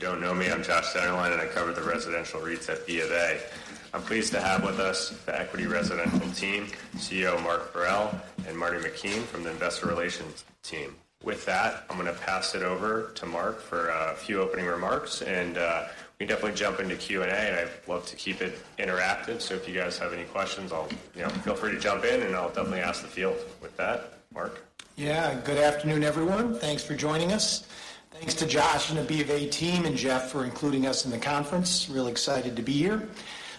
If you don't know me, I'm Joshua Dennerlein, and I cover the residential REITs at BofA. I'm pleased to have with us the Equity Residential team, CEO Mark Parrell, and Marty McKenna from the Investor Relations team. With that, I'm gonna pass it over to Mark for a few opening remarks, and we can definitely jump into Q&A, and I'd love to keep it interactive. So if you guys have any questions, I'll—you know, feel free to jump in, and I'll definitely ask the field. With that, Mark? Yeah. Good afternoon, everyone. Thanks for joining us. Thanks to Josh and the BofA team and Jeff for including us in the conference. Really excited to be here.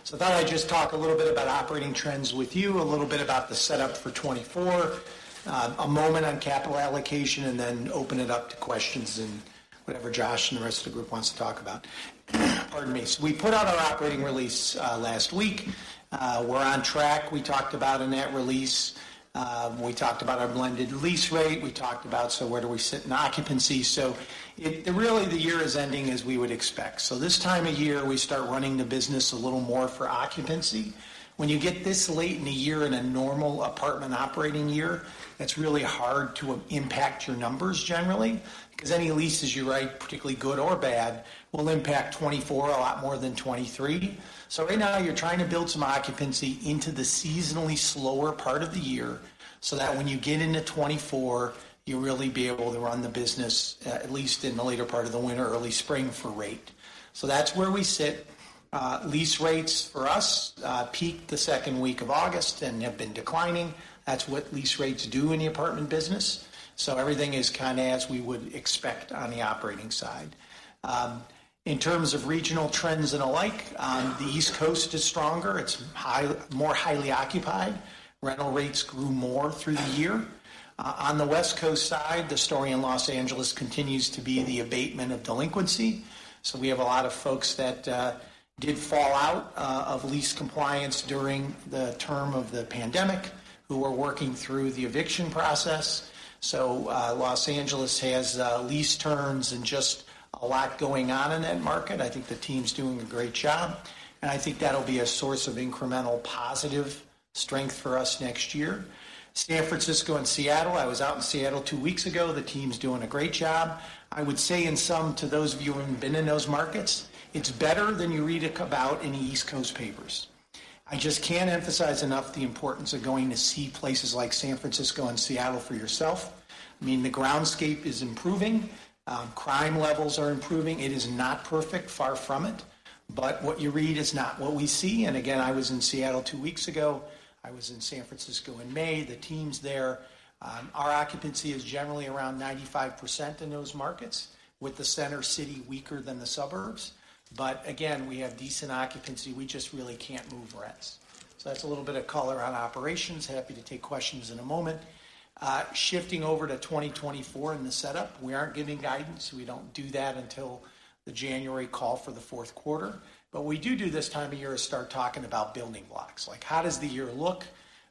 So I thought I'd just talk a little bit about operating trends with you, a little bit about the setup for 2024, a moment on capital allocation, and then open it up to questions and whatever Josh and the rest of the group wants to talk about. Pardon me. So we put out our operating release last week. We're on track. We talked about a net release. We talked about our blended lease rate. We talked about, so where do we sit in occupancy? So it really, the year is ending as we would expect. So this time of year, we start running the business a little more for occupancy. When you get this late in a year, in a normal apartment operating year, it's really hard to impact your numbers generally, because any leases you write, particularly good or bad, will impact 2024 a lot more than 2023. So right now, you're trying to build some occupancy into the seasonally slower part of the year, so that when you get into 2024, you'll really be able to run the business, at least in the later part of the winter, early spring, for rate. So that's where we sit. Lease rates for us peaked the second week of August and have been declining. That's what lease rates do in the apartment business, so everything is kinda as we would expect on the operating side. In terms of regional trends and the like, the East Coast is stronger. It's more highly occupied. Rental rates grew more through the year. On the West Coast side, the story in Los Angeles continues to be the abatement of delinquency. So we have a lot of folks that did fall out of lease compliance during the term of the pandemic, who are working through the eviction process. So, Los Angeles has lease turns and just a lot going on in that market. I think the team's doing a great job, and I think that'll be a source of incremental positive strength for us next year. San Francisco and Seattle, I was out in Seattle two weeks ago. The team's doing a great job. I would say in sum to those of you who haven't been in those markets, it's better than you read about in the East Coast papers. I just can't emphasize enough the importance of going to see places like San Francisco and Seattle for yourself. I mean, the streetscape is improving, crime levels are improving. It is not perfect, far from it, but what you read is not what we see. And again, I was in Seattle two weeks ago. I was in San Francisco in May. The teams there, our occupancy is generally around 95% in those markets, with the center city weaker than the suburbs. But again, we have decent occupancy. We just really can't move rents. So that's a little bit of color on operations. Happy to take questions in a moment. Shifting over to 2024 and the setup, we aren't giving guidance. We don't do that until the January call for the fourth quarter. But we do do this time of year to start talking about building blocks, like, how does the year look?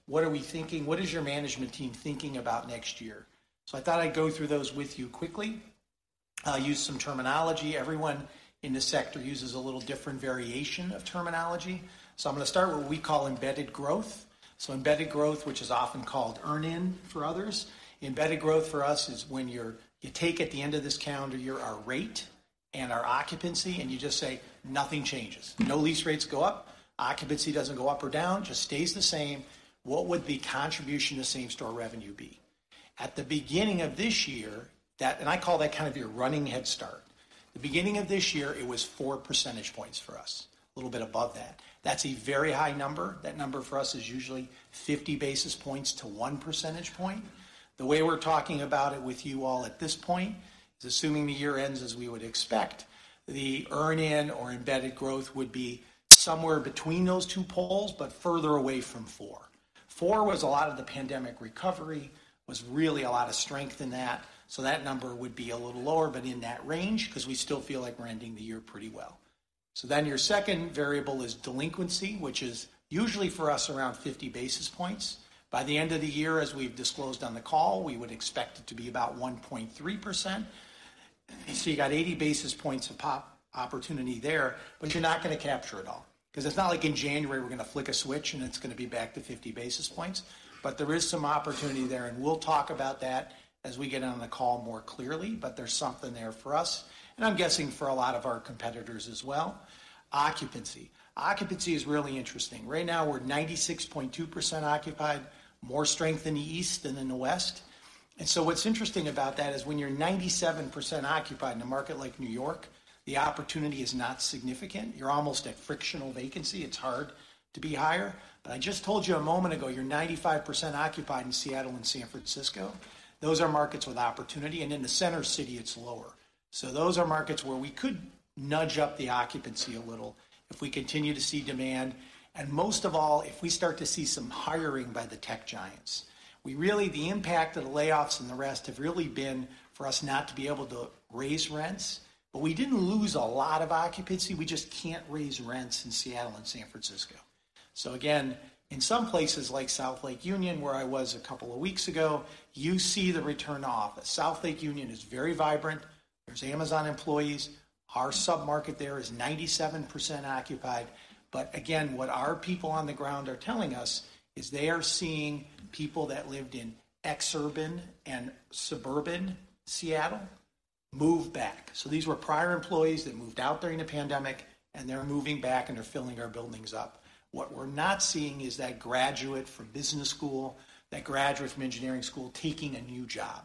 What are we thinking? What is your management team thinking about next year? So I thought I'd go through those with you quickly. I'll use some terminology. Everyone in the sector uses a little different variation of terminology, so I'm gonna start with what we call embedded growth. So embedded growth, which is often called earn-in for others, embedded growth for us is when you're you take at the end of this calendar year, our rate and our occupancy, and you just say, "Nothing changes." No lease rates go up, occupancy doesn't go up or down, just stays the same. What would the contribution to same-store revenue be? At the beginning of this year, that... And I call that kind of your running head start. The beginning of this year, it was four percentage points for us, a little bit above that. That's a very high number. That number for us is usually 50 basis points to 1 percentage point. The way we're talking about it with you all at this point is assuming the year ends as we would expect, the earn-in or embedded growth would be somewhere between those two poles, but further away from four. Four was a lot of the pandemic recovery, was really a lot of strength in that. So that number would be a little lower, but in that range, because we still feel like we're ending the year pretty well. So then your second variable is delinquency, which is usually, for us, around 50 basis points. By the end of the year, as we've disclosed on the call, we would expect it to be about 1.3%. So you got 80 basis points of pop- opportunity there, but you're not gonna capture it all. Because it's not like in January, we're gonna flick a switch, and it's gonna be back to 50 basis points. But there is some opportunity there, and we'll talk about that as we get on the call more clearly. But there's something there for us, and I'm guessing for a lot of our competitors as well. Occupancy. Occupancy is really interesting. Right now, we're 96.2% occupied, more strength in the east than in the west. And so what's interesting about that is, when you're 97% occupied in a market like New York, the opportunity is not significant. You're almost at frictional vacancy. It's hard to be higher. But I just told you a moment ago, you're 95% occupied in Seattle and San Francisco. Those are markets with opportunity, and in the center city, it's lower. So those are markets where we could nudge up the occupancy a little if we continue to see demand, and most of all, if we start to see some hiring by the tech giants. We really, the impact of the layoffs and the rest have really been for us not to be able to raise rents, but we didn't lose a lot of occupancy. We just can't raise rents in Seattle and San Francisco. So again, in some places, like South Lake Union, where I was a couple of weeks ago, you see the return to office. South Lake Union is very vibrant. There's Amazon employees. Our sub-market there is 97% occupied. But again, what our people on the ground are telling us is they are seeing people that lived in exurban and suburban Seattle move back. So these were prior employees that moved out during the pandemic, and they're moving back, and they're filling our buildings up. What we're not seeing is that graduate from business school, that graduate from engineering school, taking a new job.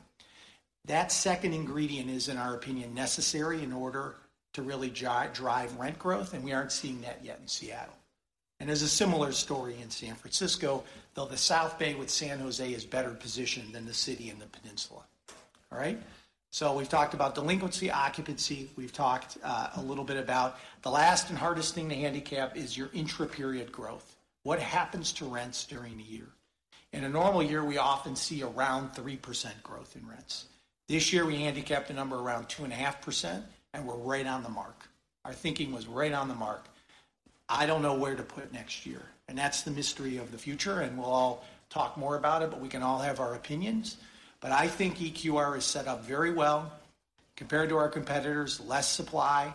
That second ingredient is, in our opinion, necessary in order to really drive rent growth, and we aren't seeing that yet in Seattle. And there's a similar story in San Francisco, though the South Bay with San Jose is better positioned than the city and the peninsula. All right? So we've talked about delinquency, occupancy. We've talked a little bit about the last and hardest thing to handicap is your intra-period growth. What happens to rents during the year? In a normal year, we often see around 3% growth in rents. This year, we handicapped a number around 2.5%, and we're right on the mark. Our thinking was right on the mark. I don't know where to put next year, and that's the mystery of the future, and we'll all talk more about it, but we can all have our opinions. But I think EQR is set up very well. Compared to our competitors, less supply,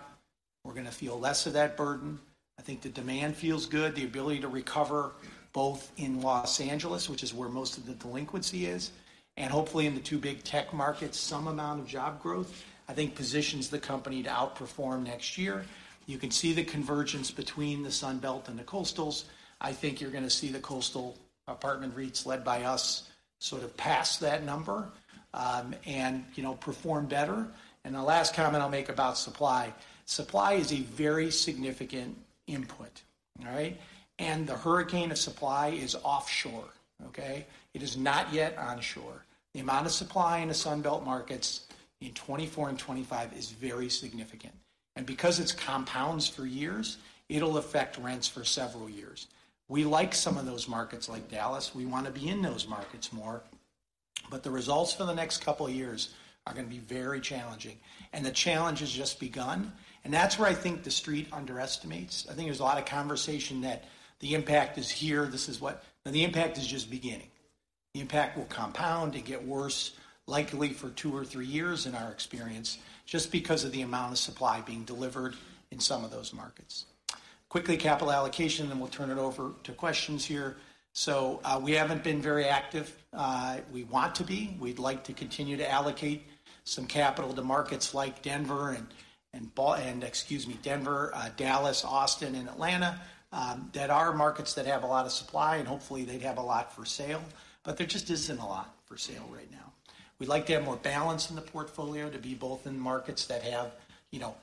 we're gonna feel less of that burden. I think the demand feels good, the ability to recover, both in Los Angeles, which is where most of the delinquency is, and hopefully in the two big tech markets, some amount of job growth, I think positions the company to outperform next year. You can see the convergence between the Sun Belt and the Coastals. I think you're gonna see the Coastal apartment REITs, led by us, sort of pass that number, and, you know, perform better. And the last comment I'll make about supply: Supply is a very significant input. All right? And the hurricane of supply is offshore, okay? It is not yet onshore. The amount of supply in the Sun Belt markets in 2024 and 2025 is very significant, and because it compounds for years, it'll affect rents for several years. We like some of those markets, like Dallas. We wanna be in those markets more, but the results for the next couple of years are gonna be very challenging, and the challenge has just begun, and that's where I think the Street underestimates. I think there's a lot of conversation that the impact is here. The impact is just beginning. The impact will compound and get worse, likely for two or three years, in our experience, just because of the amount of supply being delivered in some of those markets. Quickly, capital allocation, then we'll turn it over to questions here. So, we haven't been very active. We want to be. We'd like to continue to allocate some capital to markets like Denver and Dallas, Austin, and Atlanta, that are markets that have a lot of supply, and hopefully they'd have a lot for sale, but there just isn't a lot for sale right now. We'd like to have more balance in the portfolio to be both in markets that have, you know,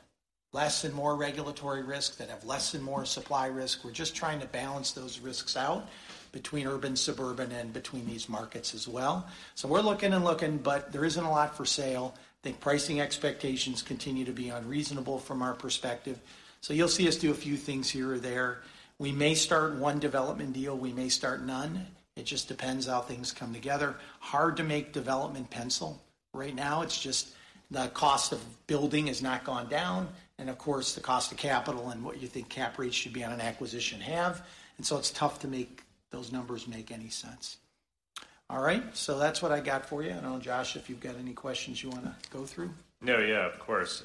less and more regulatory risk, that have less and more supply risk. We're just trying to balance those risks out between urban, suburban, and between these markets as well. So we're looking and looking, but there isn't a lot for sale. I think pricing expectations continue to be unreasonable from our perspective, so you'll see us do a few things here or there. We may start one development deal. We may start none. It just depends how things come together. Hard to make development pencil. Right now, it's just the cost of building has not gone down, and of course, the cost of capital and what you think cap rates should be on an acquisition have, and so it's tough to make those numbers make any sense. All right, so that's what I got for you. I don't know, Josh, if you've got any questions you wanna go through. No, yeah, of course.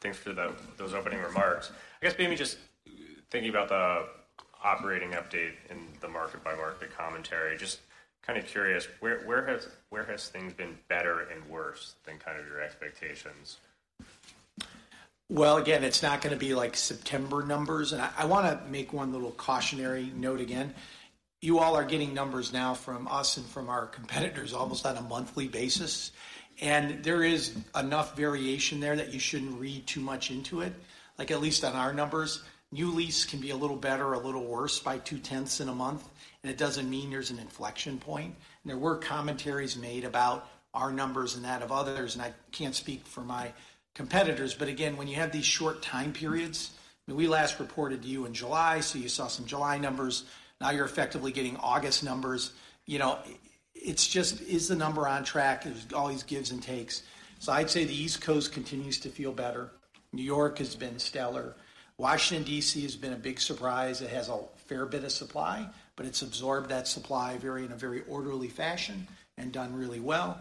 Thanks for those opening remarks. I guess maybe just thinking about the operating update and the market by market commentary, just kind of curious, where, where has, where has things been better and worse than kind of your expectations? Well, again, it's not gonna be like September numbers. And I, I wanna make one little cautionary note again. You all are getting numbers now from us and from our competitors almost on a monthly basis, and there is enough variation there that you shouldn't read too much into it. Like, at least on our numbers, new lease can be a little better or a little worse by 0.2 in a month, and it doesn't mean there's an inflection point. And there were commentaries made about our numbers and that of others, and I can't speak for my competitors, but again, when you have these short time periods... We last reported to you in July, so you saw some July numbers. Now you're effectively getting August numbers. You know, it's just, is the number on track? There's all these gives and takes. So I'd say the East Coast continues to feel better. New York has been stellar. Washington, D.C., has been a big surprise. It has a fair bit of supply, but it's absorbed that supply very, in a very orderly fashion and done really well.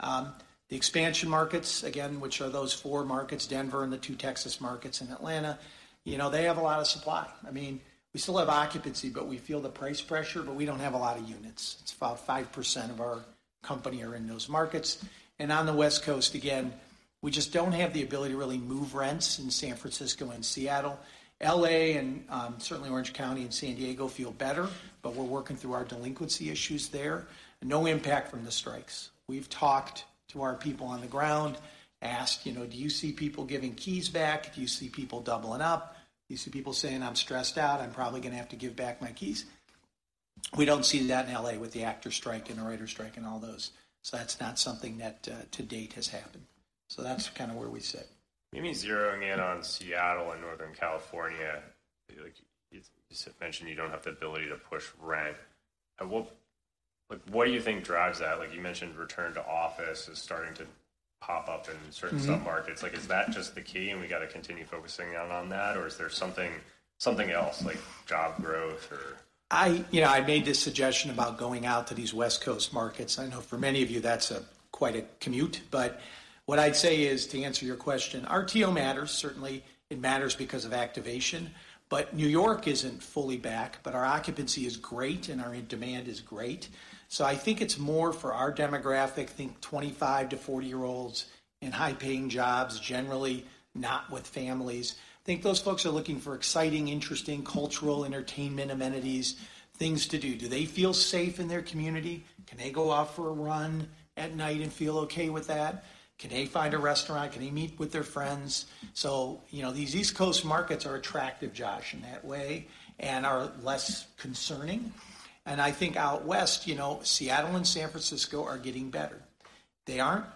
The expansion markets, again, which are those four markets, Denver and the two Texas markets and Atlanta, you know, they have a lot of supply. I mean, we still have occupancy, but we feel the price pressure, but we don't have a lot of units. It's about 5% of our company are in those markets. And on the West Coast, again, we just don't have the ability to really move rents in San Francisco and Seattle. L.A., and certainly Orange County and San Diego feel better, but we're working through our delinquency issues there. No impact from the strikes. We've talked to our people on the ground, asked, you know, "Do you see people giving keys back? Do you see people doubling up? Do you see people saying, 'I'm stressed out. I'm probably gonna have to give back my keys?'" We don't see that in L.A. with the actors' strike and the writers' strike and all those, so that's not something that, to date, has happened. So that's kind of where we sit. Maybe zeroing in on Seattle and Northern California, like you just mentioned, you don't have the ability to push rent. Well, like, what do you think drives that? Like, you mentioned return to office is starting to pop up in- Mm-hmm... certain submarkets. Like, is that just the key, and we got to continue focusing in on that, or is there something, something else, like... job growth or? You know, I made this suggestion about going out to these West Coast markets. I know for many of you, that's quite a commute, but what I'd say is, to answer your question, RTO matters. Certainly, it matters because of activation. But New York isn't fully back, but our occupancy is great, and our demand is great. So I think it's more for our demographic, think 25- to 40-year-olds in high-paying jobs, generally not with families. I think those folks are looking for exciting, interesting cultural entertainment, amenities, things to do. Do they feel safe in their community? Can they go out for a run at night and feel okay with that? Can they find a restaurant? Can they meet with their friends? So, you know, these East Coast markets are attractive, Josh, in that way and are less concerning. And I think out West, you know, Seattle and San Francisco are getting better. They aren't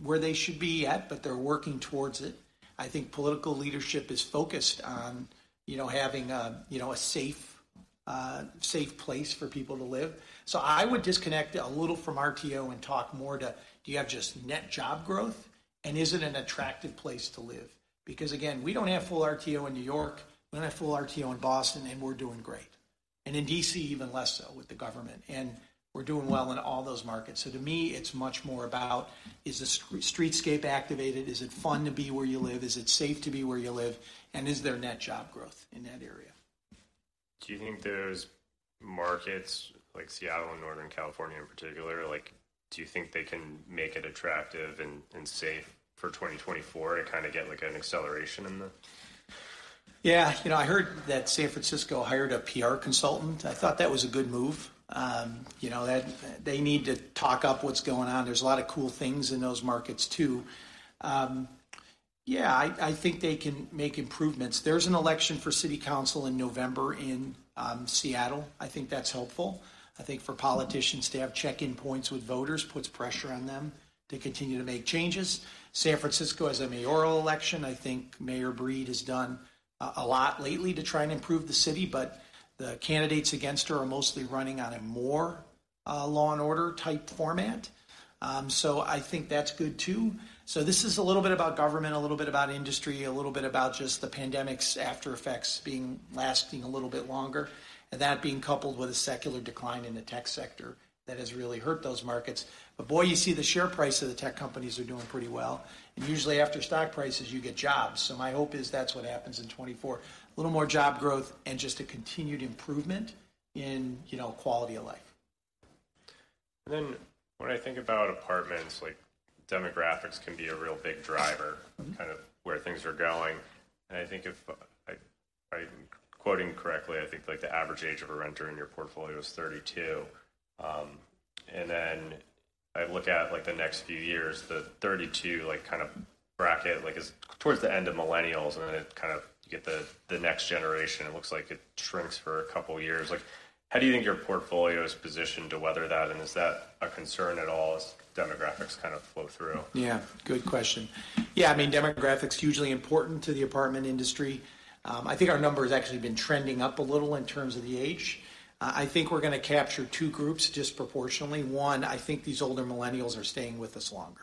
where they should be yet, but they're working towards it. I think political leadership is focused on, you know, having a, you know, a safe, safe place for people to live. So I would disconnect a little from RTO and talk more to, do you have just net job growth, and is it an attractive place to live? Because, again, we don't have full RTO in New York, we don't have full RTO in Boston, and we're doing great, and in D.C., even less so with the government, and we're doing well in all those markets. So to me, it's much more about, is the streetscape activated? Is it fun to be where you live? Is it safe to be where you live, and is there net job growth in that area? Do you think there's markets like Seattle and Northern California in particular, like, do you think they can make it attractive and, and safe for 2024 to kind of get, like, an acceleration in the- Yeah. You know, I heard that San Francisco hired a PR consultant. I thought that was a good move. You know, that they need to talk up what's going on. There's a lot of cool things in those markets, too. Yeah, I think they can make improvements. There's an election for city council in November in Seattle. I think that's helpful. I think for politicians to have check-in points with voters puts pressure on them to continue to make changes. San Francisco has a mayoral election. I think Mayor Breed has done a lot lately to try and improve the city, but the candidates against her are mostly running on a more law and order type format. So I think that's good, too. So this is a little bit about government, a little bit about industry, a little bit about just the pandemic's aftereffects being... lasting a little bit longer, and that being coupled with a secular decline in the tech sector, that has really hurt those markets. But, boy, you see the share price of the tech companies are doing pretty well, and usually after stock prices, you get jobs. So my hope is that's what happens in 2024. A little more job growth and just a continued improvement in, you know, quality of life. And then when I think about apartments, like, demographics can be a real big driver- Mm-hmm. Kind of where things are going, and I think if, I, if I'm quoting correctly, I think, like, the average age of a renter in your portfolio is 32. And then I look at, like, the next few years, the 32, like, kind of bracket, like, is towards the end of millennials, and then it kind of get the, the next generation, it looks like it shrinks for a couple of years. Like, how do you think your portfolio is positioned to weather that, and is that a concern at all as demographics kind of flow through? Yeah, good question. Yeah, I mean, demographic's hugely important to the apartment industry. I think our number has actually been trending up a little in terms of the age. I think we're going to capture two groups disproportionately. One, I think these older millennials are staying with us longer.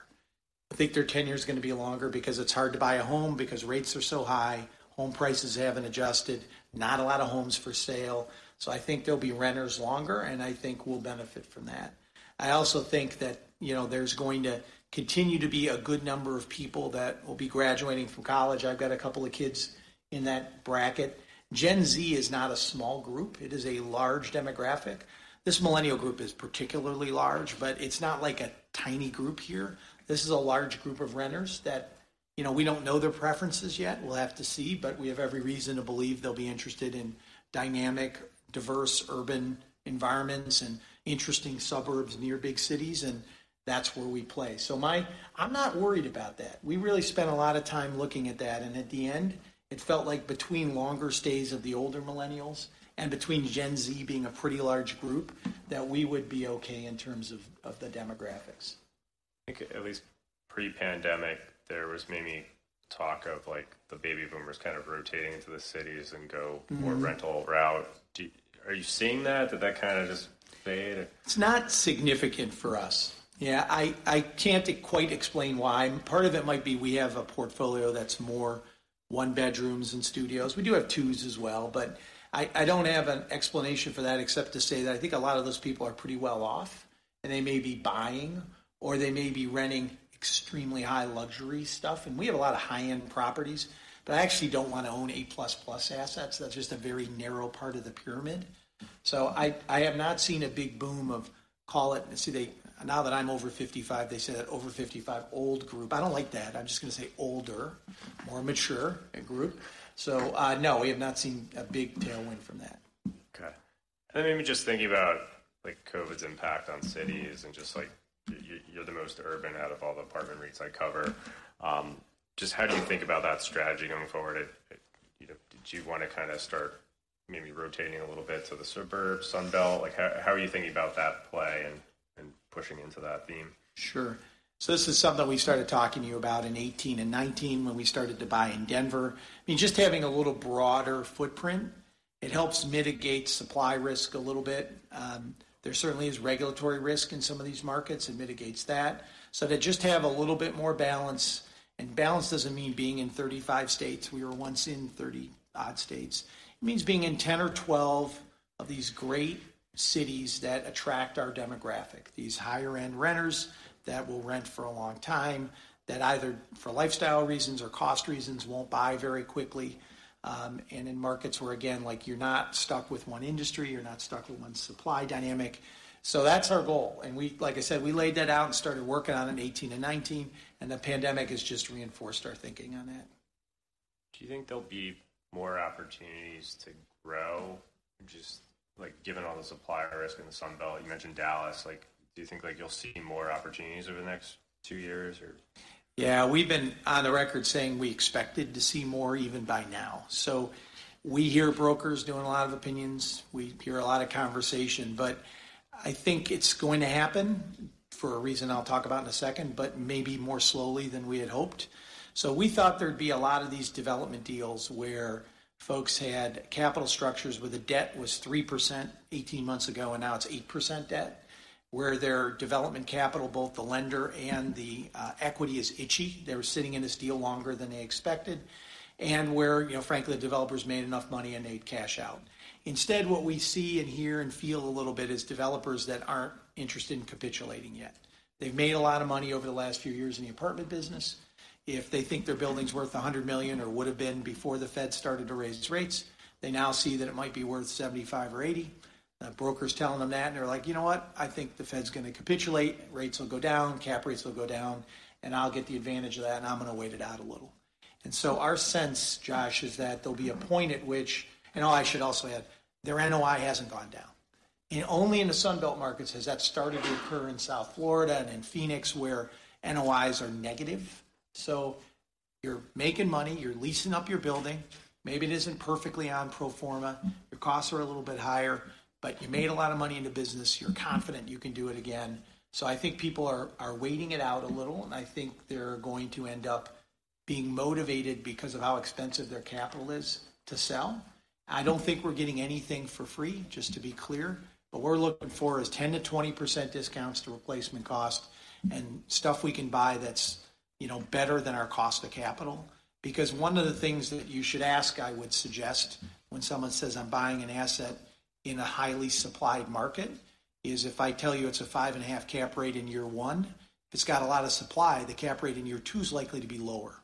I think their tenure is going to be longer because it's hard to buy a home because rates are so high, home prices haven't adjusted, not a lot of homes for sale, so I think they'll be renters longer, and I think we'll benefit from that. I also think that, you know, there's going to continue to be a good number of people that will be graduating from college. I've got a couple of kids in that bracket. Gen Z is not a small group; it is a large demographic. This millennial group is particularly large, but it's not like a tiny group here. This is a large group of renters that, you know, we don't know their preferences yet. We'll have to see, but we have every reason to believe they'll be interested in dynamic, diverse urban environments and interesting suburbs near big cities, and that's where we play. So I'm not worried about that. We really spent a lot of time looking at that, and at the end, it felt like between longer stays of the older millennials and between Gen Z being a pretty large group, that we would be okay in terms of, of the demographics. I think at least pre-pandemic, there was maybe talk of, like, the Baby Boomers kind of rotating into the cities and go- Mm-hmm. More rental route. Are you seeing that? Did that kind of just fade or? It's not significant for us. Yeah, I can't quite explain why. Part of it might be we have a portfolio that's more one-bedrooms and studios. We do have twos as well, but I don't have an explanation for that except to say that I think a lot of those people are pretty well off, and they may be buying, or they may be renting extremely high luxury stuff, and we have a lot of high-end properties, but I actually don't want to own A++ assets. That's just a very narrow part of the pyramid. So I have not seen a big boom of, call it... See, they, now that I'm over 55, they say that over 55 old group. I don't like that. I'm just going to say older, more mature group. So, no, we have not seen a big tailwind from that. Okay. And then maybe just thinking about, like, COVID's impact on cities and just, like, you're the most urban out of all the apartment REITs I cover. Just how do you think about that strategy going forward? If, you know, did you want to kind of start maybe rotating a little bit to the suburbs, Sun Belt? Like, how, how are you thinking about that play and, and pushing into that theme? Sure. So this is something we started talking to you about in 2018 and 2019 when we started to buy in Denver. I mean, just having a little broader footprint, it helps mitigate supply risk a little bit. There certainly is regulatory risk in some of these markets and mitigates that. So to just have a little bit more balance, and balance doesn't mean being in 35 states. We were once in 30-odd states. It means being in 10 or 12 of these great cities that attract our demographic, these higher-end renters that will rent for a long time, that either for lifestyle reasons or cost reasons, won't buy very quickly. And in markets where, again, like, you're not stuck with one industry, you're not stuck with one supply dynamic. That's our goal, and we, like I said, we laid that out and started working on it in 2018 and 2019, and the pandemic has just reinforced our thinking on that. Do you think there'll be more opportunities to grow, just, like, given all the supply risk in the Sun Belt? You mentioned Dallas. Like, do you think, like you'll see more opportunities over the next two years, or? Yeah, we've been on the record saying we expected to see more even by now. So we hear brokers doing a lot of opinions. We hear a lot of conversation, but I think it's going to happen for a reason I'll talk about in a second, but maybe more slowly than we had hoped. So we thought there'd be a lot of these development deals where folks had capital structures where the debt was 3% 18 months ago, and now it's 8% debt, where their development capital, both the lender and the equity, is itchy. They were sitting in this deal longer than they expected, and where, you know, frankly, the developers made enough money, and they'd cash out. Instead, what we see and hear and feel a little bit is developers that aren't interested in capitulating yet. They've made a lot of money over the last few years in the apartment business. If they think their building's worth $100 million or would have been before the Fed started to raise its rates, they now see that it might be worth $75 million or $80 million. Brokers telling them that, and they're like: "You know what? I think the Fed's going to capitulate. Rates will go down, cap rates will go down, and I'll get the advantage of that, and I'm going to wait it out a little." So our sense, Josh, is that there'll be a point at which... Oh, I should also add, their NOI hasn't gone down. Only in the Sun Belt markets has that started to occur in South Florida and in Phoenix, where NOIs are negative. So you're making money, you're leasing up your building. Maybe it isn't perfectly on pro forma. Your costs are a little bit higher, but you made a lot of money in the business. You're confident you can do it again. So I think people are waiting it out a little, and I think they're going to end up being motivated because of how expensive their capital is to sell. I don't think we're getting anything for free, just to be clear, but what we're looking for is 10%-20% discounts to replacement cost and stuff we can buy that's, you know, better than our cost of capital. Because one of the things that you should ask, I would suggest, when someone says, "I'm buying an asset in a highly supplied market," is if I tell you it's a 5.5 cap rate in year one, it's got a lot of supply, the cap rate in year two is likely to be lower.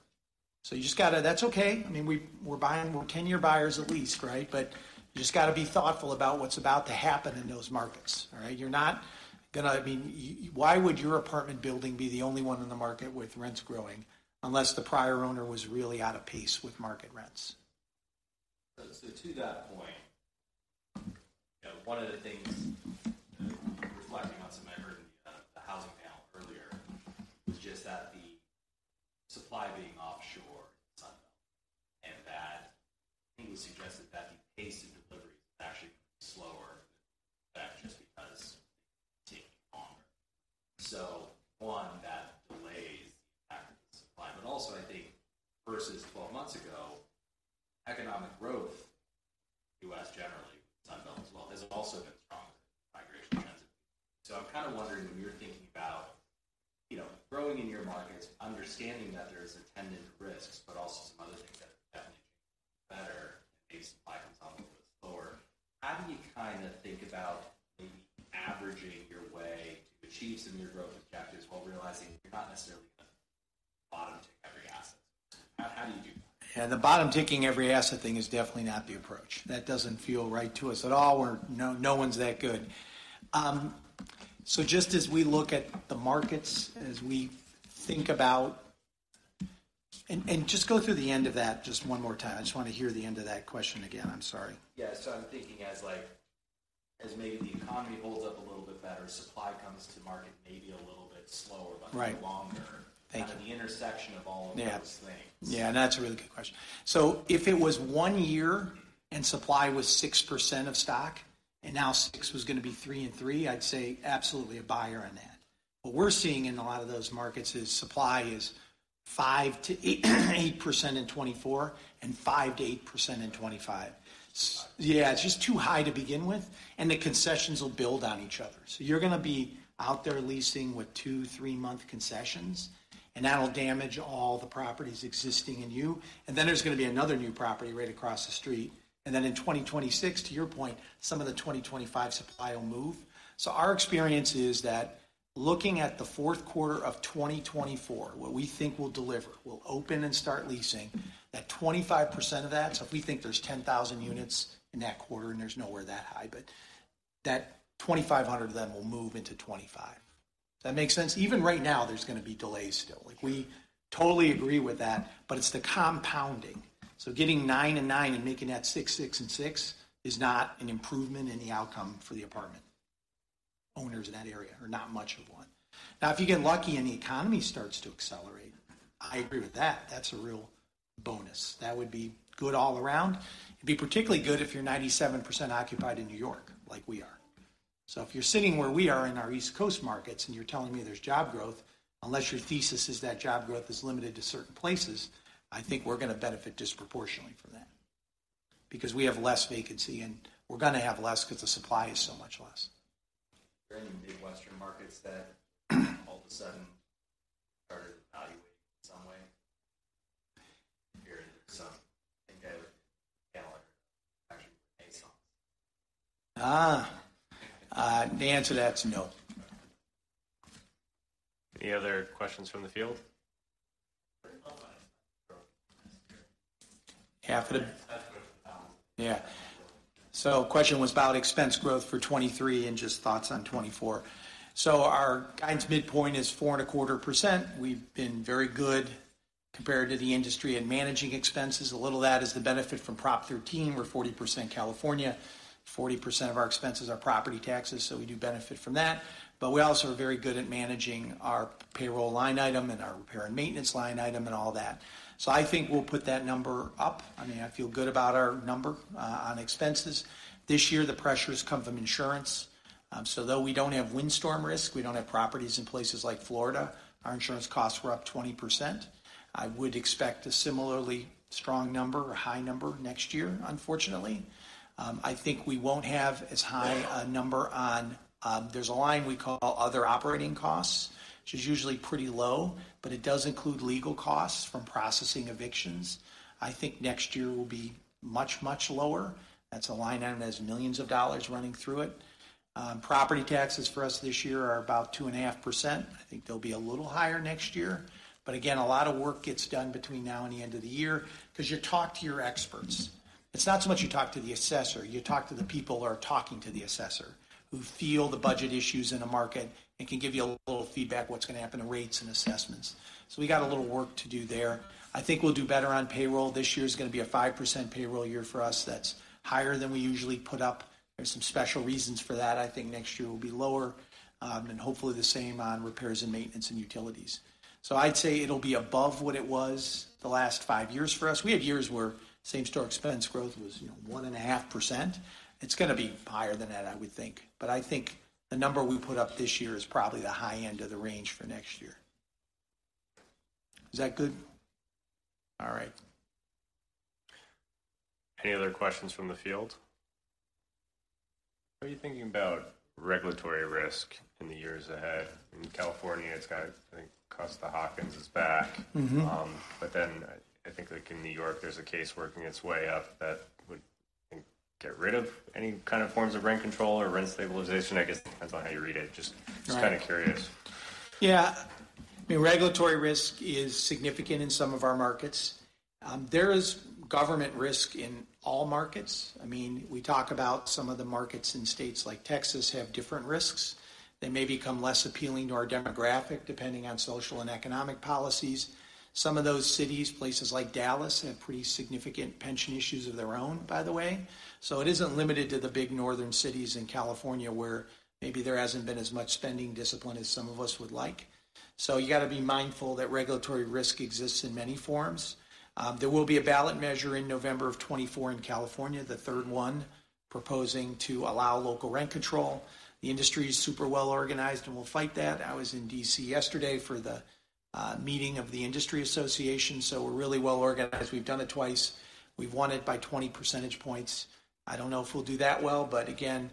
So you just gotta. That's okay. I mean, we're buying, we're 10-year buyers at least, right? But you just got to be thoughtful about what's about to happen in those markets. All right? You're not gonna. I mean, why would your apartment building be the only one in the market with rents growing unless the prior owner was really out of pace with market rents? So, to that point, you know, one of the things, reflecting on some I heard in the, the housing panel earlier, was just that the supply being offshore in the Sun Belt, and that, I think, we suggested that the pace of delivery is actually slower than that, just because it's taking longer. So one, that delays the impact of the supply, but also I think versus 12 months ago, economic growth, U.S. generally, Sun Belt as well, has also been strong in migration trends. I'm kind of wondering, when you're thinking about, you know, growing in your markets, understanding that there's attendant risks, but also some other things that are definitely better and supply comes on a little slower, how do you kind of think about maybe averaging your way to achieve some of your growth objectives while realizing you're not necessarily going to bottom-tick every asset? How, how do you do that? Yeah, the bottom-ticking every asset thing is definitely not the approach. That doesn't feel right to us at all. We're—no, no one's that good. So just as we look at the markets, as we think about... and just go through the end of that just one more time. I just want to hear the end of that question again. I'm sorry. Yeah. So I'm thinking, like, as maybe the economy holds up a little bit better, supply comes to market maybe a little bit slower- Right... but longer. Thank you. Kind of the intersection of all of those things. Yeah, and that's a really good question. So if it was one year and supply was 6% of stock, and now six was going to be three and three, I'd say absolutely a buyer on that. What we're seeing in a lot of those markets is supply is five-eight, 8% in 2024 and 5-8% in 2025. Five- Yeah, it's just too high to begin with, and the concessions will build on each other. So you're going to be out there leasing with two-three month concessions, and that'll damage all the properties existing in you. And then there's going to be another new property right across the street. And then in 2026, to your point, some of the 2025 supply will move. So our experience is that looking at the fourth quarter of 2024, what we think will deliver, will open and start leasing, that 25% of that, so if we think there's 10,000 units in that quarter, and there's nowhere that high, but that 2,500 of them will move into 2025. Does that make sense? Even right now, there's going to be delays still. Like, we totally agree with that, but it's the compounding. So getting nine and nine and making that six, six, and six is not an improvement in the outcome for the apartment owners in that area are not much of one. Now, if you get lucky and the economy starts to accelerate, I agree with that. That's a real bonus. That would be good all around. It'd be particularly good if you're 97% occupied in New York, like we are. So if you're sitting where we are in our East Coast markets, and you're telling me there's job growth, unless your thesis is that job growth is limited to certain places, I think we're going to benefit disproportionately from that because we have less vacancy, and we're going to have less because the supply is so much less. There are any Midwestern markets that, all of a sudden, started to evaluate in some way? So I think I would Ah! The answer to that is no. Any other questions from the field? Yeah. So question was about expense growth for 2023, and just thoughts on 2024. So our guidance midpoint is 4.25%. We've been very good compared to the industry in managing expenses. A little of that is the benefit from Prop 13. We're 40% California. 40% of our expenses are property taxes, so we do benefit from that, but we also are very good at managing our payroll line item and our repair and maintenance line item, and all that. So I think we'll put that number up. I mean, I feel good about our number on expenses. This year, the pressures come from insurance. So though we don't have windstorm risk, we don't have properties in places like Florida, our insurance costs were up 20%. I would expect a similarly strong number or high number next year, unfortunately. I think we won't have as high a number on... There's a line we call Other Operating Costs, which is usually pretty low, but it does include legal costs from processing evictions. I think next year will be much, much lower. That's a line item that has millions of dollars running through it. Property taxes for us this year are about 2.5%. I think they'll be a little higher next year, but again, a lot of work gets done between now and the end of the year 'cause you talk to your experts. It's not so much you talk to the assessor, you talk to the people who are talking to the assessor, who feel the budget issues in the market and can give you a little feedback on what's going to happen to rates and assessments. So we got a little work to do there. I think we'll do better on payroll. This year is going to be a 5% payroll year for us. That's higher than we usually put up. There are some special reasons for that. I think next year will be lower, and hopefully the same on repairs and maintenance and utilities. So I'd say it'll be above what it was the last five years for us. We had years where same-store expense growth was, you know, 1.5%. It's gonna be higher than that, I would think, but I think the number we put up this year is probably the high end of the range for next year. Is that good? All right. Any other questions from the field? What are you thinking about regulatory risk in the years ahead? In California, it's got, I think, Costa-Hawkins is back. Mm-hmm. But then I think, like in New York, there's a case working its way up that would, I think, get rid of any kind of forms of rent control or rent stabilization. I guess it depends on how you read it, just- Right. Just kind of curious. Yeah. I mean, regulatory risk is significant in some of our markets. There is government risk in all markets. I mean, we talk about some of the markets in states like Texas have different risks. They may become less appealing to our demographic, depending on social and economic policies. Some of those cities, places like Dallas, have pretty significant pension issues of their own, by the way. So it isn't limited to the big northern cities in California, where maybe there hasn't been as much spending discipline as some of us would like. So you got to be mindful that regulatory risk exists in many forms. There will be a ballot measure in November of 2024 in California, the third one, proposing to allow local rent control. The industry is super well-organized and will fight that. I was in D.C. yesterday for the meeting of the industry association, so we're really well-organized. We've done it twice. We've won it by 20 percentage points. I don't know if we'll do that well, but again,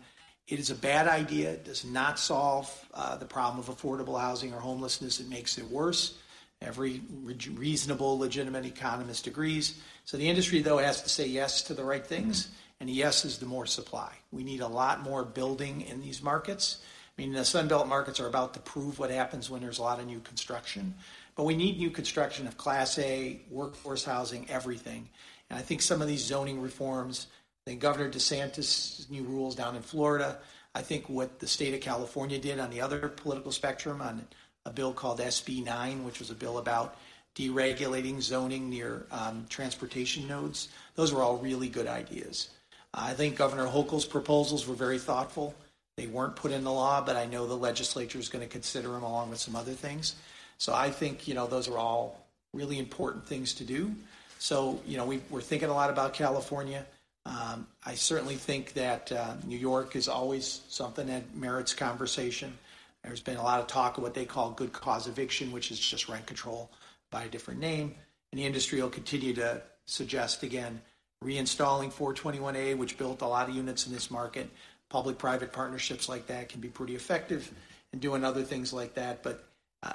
it is a bad idea. It does not solve the problem of affordable housing or homelessness. It makes it worse. Every reasonable, legitimate economist agrees. So the industry, though, has to say yes to the right things, and yes is the more supply. We need a lot more building in these markets. I mean, the Sun Belt markets are about to prove what happens when there's a lot of new construction, but we need new construction of Class A workforce housing, everything. I think some of these zoning reforms, I think Governor DeSantis' new rules down in Florida, I think what the state of California did on the other political spectrum on a bill called SB 9, which was a bill about deregulating zoning near transportation nodes. Those were all really good ideas. I think Governor Hochul's proposals were very thoughtful. They weren't put in the law, but I know the legislature is going to consider them, along with some other things. So I think, you know, those are all really important things to do. So, you know, we're thinking a lot about California. I certainly think that New York is always something that merits conversation. There's been a lot of talk of what they call good cause eviction, which is just rent control by a different name, and the industry will continue to suggest, again, reinstalling 421-a, which built a lot of units in this market. Public-private partnerships like that can be pretty effective in doing other things like that, but,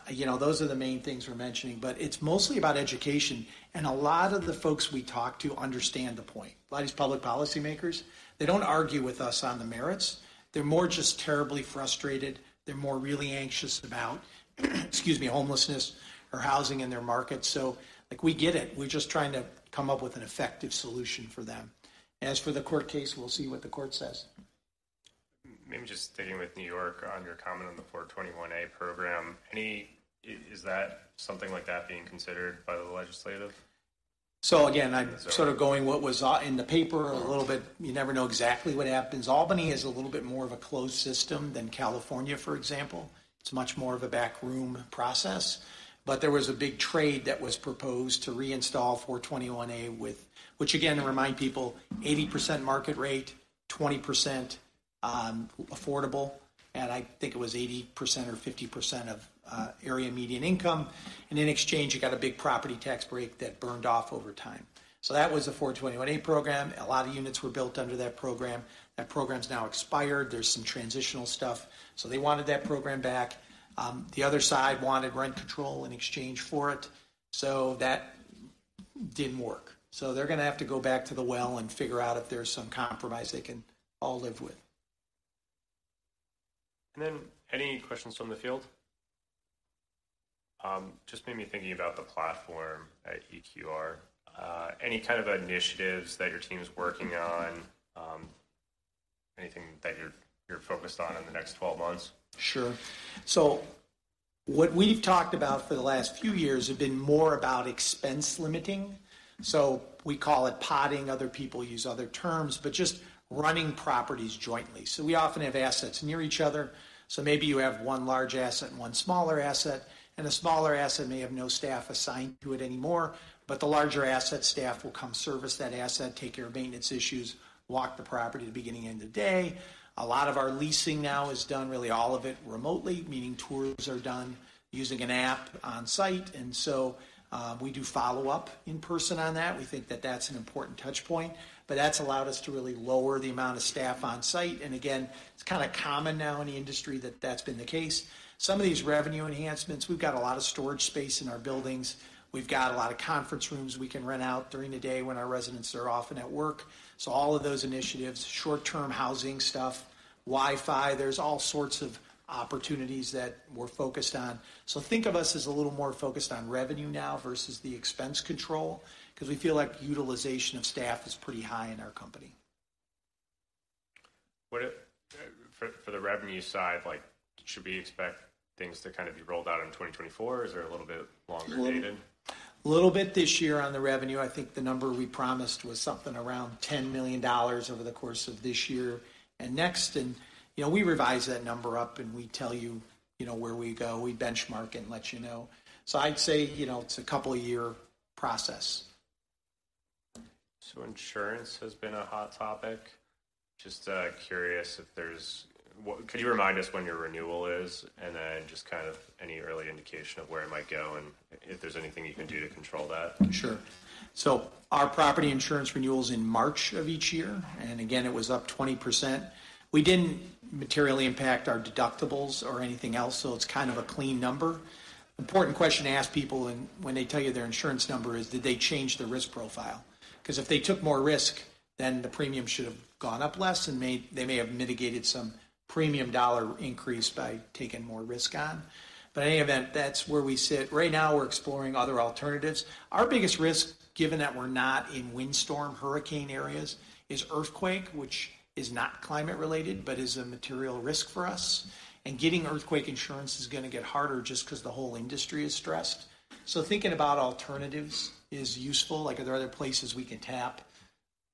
you know, those are the main things we're mentioning. But it's mostly about education, and a lot of the folks we talk to understand the point. A lot of these public policymakers, they don't argue with us on the merits. They're more just terribly frustrated. They're more really anxious about, excuse me, homelessness or housing in their market. So, like, we get it. We're just trying to come up with an effective solution for them. As for the court case, we'll see what the court says. Maybe just sticking with New York on your comment on the 421-a program, any... is that something like that being considered by the legislature? So again, I'm sort of going what was in the paper a little bit. You never know exactly what happens. Albany is a little bit more of a closed system than California, for example. It's much more of a backroom process. But there was a big trade that was proposed to reinstall 421-a with-- which again, to remind people, 80% market rate, 20% affordable, and I think it was 80% or 50% of area median income, and in exchange, you got a big property tax break that burned off over time. So that was the 421-a program. A lot of units were built under that program. That program's now expired. There's some transitional stuff. So they wanted that program back. The other side wanted rent control in exchange for it, so that didn't work. They're gonna have to go back to the well and figure out if there's some compromise they can all live with. And then any questions from the field? Just made me thinking about the platform at EQR. Any kind of initiatives that your team is working on? Anything that you're focused on in the next 12 months? Sure. So what we've talked about for the last few years have been more about expense limiting. So we call it potting. Other people use other terms, but just running properties jointly. So we often have assets near each other. So maybe you have one large asset and one smaller asset, and the smaller asset may have no staff assigned to it anymore, but the larger asset staff will come service that asset, take care of maintenance issues, lock the property at the beginning and end of the day. A lot of our leasing now is done, really, all of it remotely, meaning tours are done using an app on site, and so, we do follow up in person on that. We think that that's an important touch point, but that's allowed us to really lower the amount of staff on site. And again, it's kind of common now in the industry that that's been the case. Some of these revenue enhancements, we've got a lot of storage space in our buildings. We've got a lot of conference rooms we can rent out during the day when our residents are often at work. So all of those initiatives, short-term housing stuff, Wi-Fi, there's all sorts of opportunities that we're focused on. So think of us as a little more focused on revenue now versus the expense control, 'cause we feel like utilization of staff is pretty high in our company. For the revenue side, like, should we expect things to kind of be rolled out in 2024, or is there a little bit longer dated? A little bit this year on the revenue. I think the number we promised was something around $10 million over the course of this year and next. And, you know, we revise that number up and we tell you, you know, where we go. We benchmark it and let you know. So I'd say, you know, it's a couple of year process. So insurance has been a hot topic. Just curious if there's... could you remind us when your renewal is? And then just kind of any early indication of where it might go, and if there's anything you can do to control that? Sure. So our property insurance renewal is in March of each year, and again, it was up 20%. We didn't materially impact our deductibles or anything else, so it's kind of a clean number. Important question to ask people and when they tell you their insurance number is, did they change their risk profile? 'Cause if they took more risk, then the premium should have gone up less, and they may have mitigated some premium dollar increase by taking more risk on. But any event, that's where we sit. Right now, we're exploring other alternatives. Our biggest risk, given that we're not in windstorm hurricane areas, is earthquake, which is not climate related, but is a material risk for us. And getting earthquake insurance is gonna get harder just 'cause the whole industry is stressed. So thinking about alternatives is useful. Like, are there other places we can tap,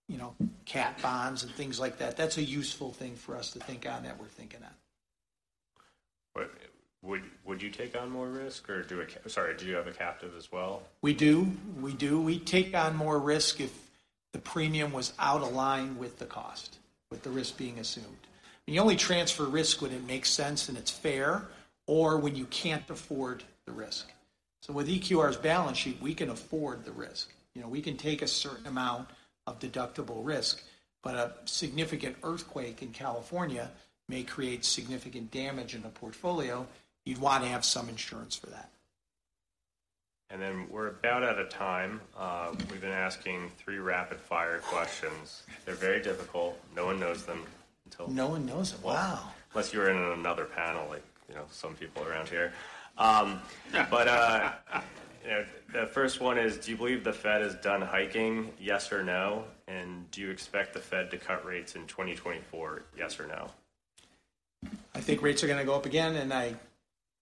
you know, cat bonds and things like that? That's a useful thing for us to think on, that we're thinking on. Would you take on more risk or do a... Sorry, do you have a captive as well? We do. We do. We'd take on more risk if the premium was out of line with the cost, with the risk being assumed. You only transfer risk when it makes sense and it's fair, or when you can't afford the risk. So with EQR's balance sheet, we can afford the risk. You know, we can take a certain amount of deductible risk, but a significant earthquake in California may create significant damage in the portfolio. You'd want to have some insurance for that. And then we're about out of time. We've been asking three rapid-fire questions. They're very difficult. No one knows them until- No one knows them? Wow! Unless you were in another panel, like, you know, some people around here. The first one is: Do you believe the Fed is done hiking, yes or no? And do you expect the Fed to cut rates in 2024, yes or no? I think rates are gonna go up again, and I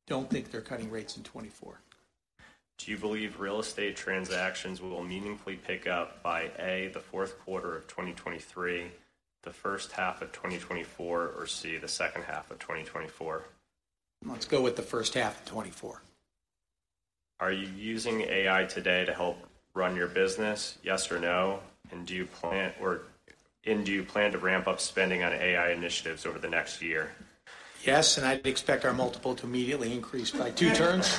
don't think they're cutting rates in 2024. Do you believe real estate transactions will meaningfully pick up by, A, the fourth quarter of 2023, the first half of 2024, or, C, the second half of 2024? Let's go with the first half of 2024. Are you using AI today to help run your business, yes or no? And do you plan to ramp up spending on AI initiatives over the next year? Yes, and I'd expect our multiple to immediately increase by two turns.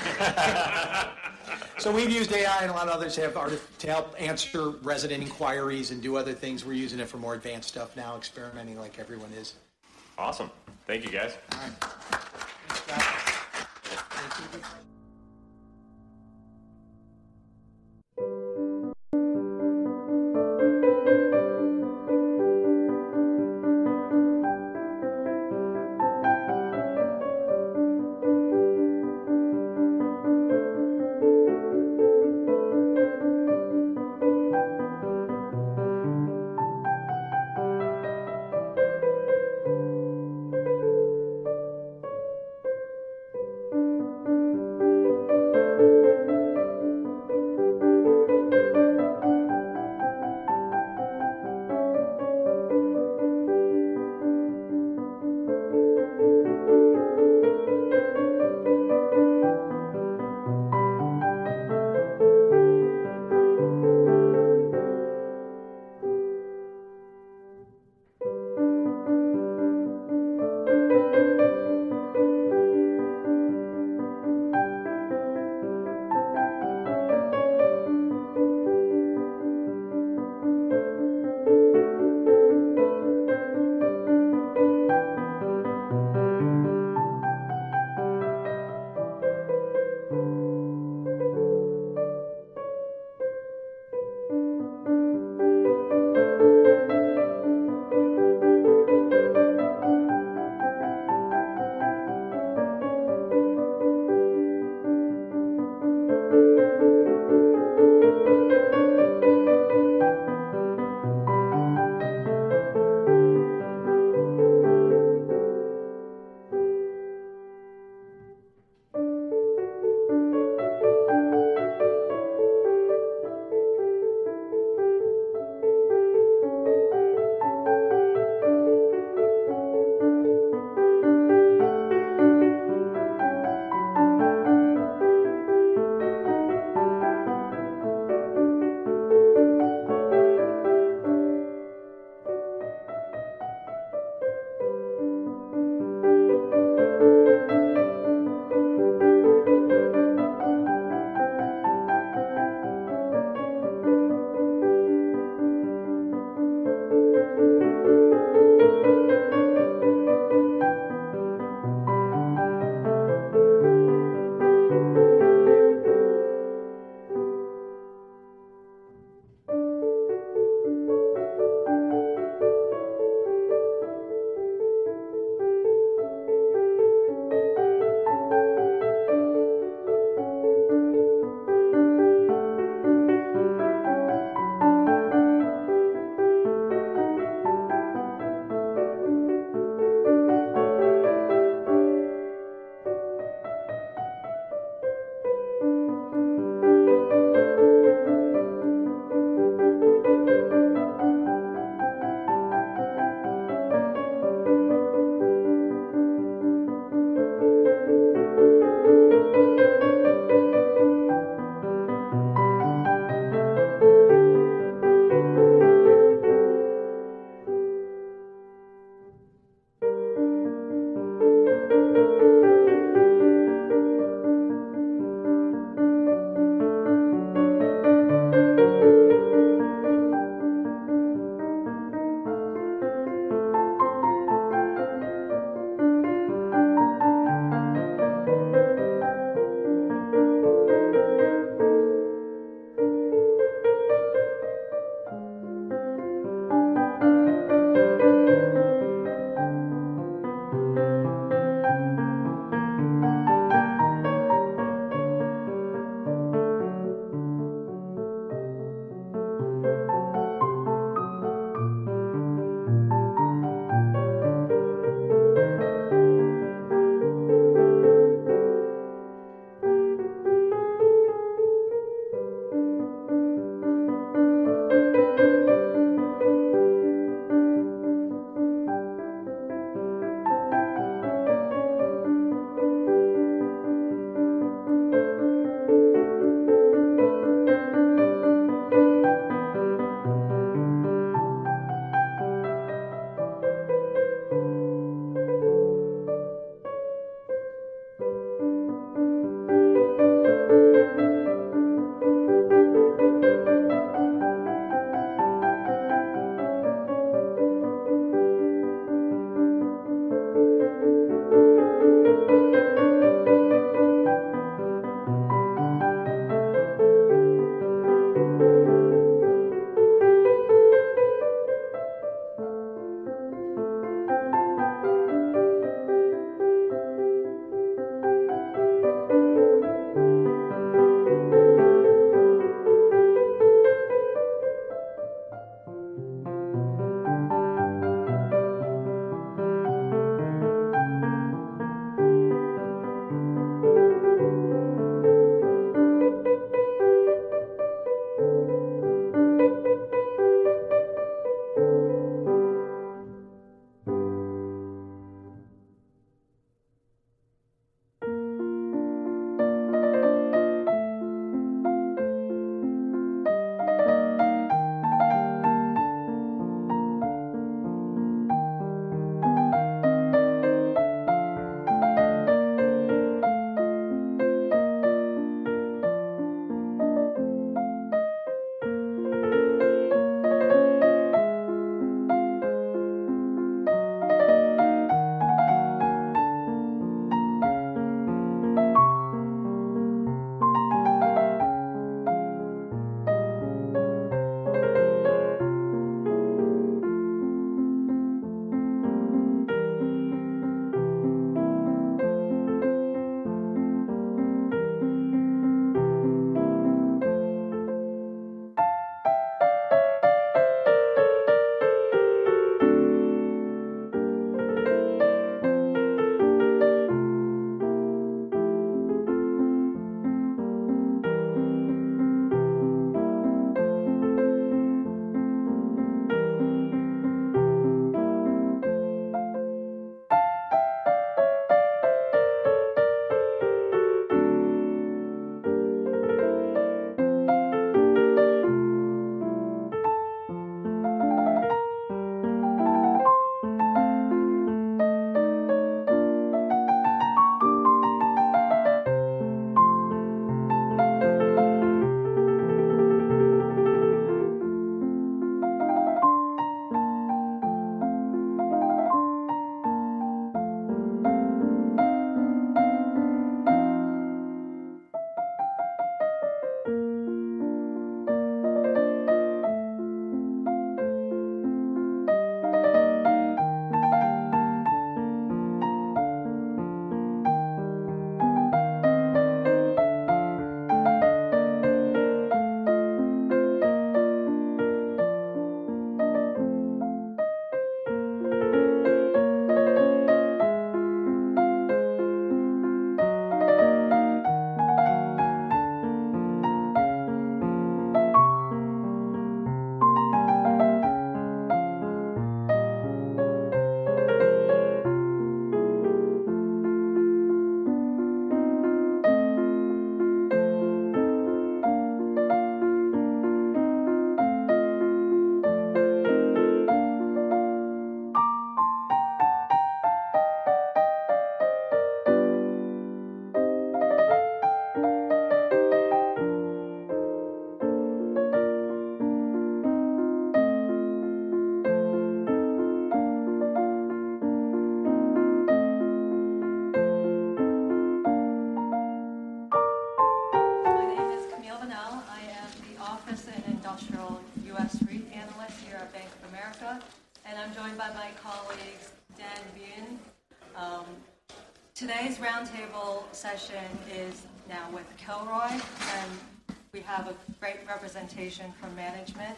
from management.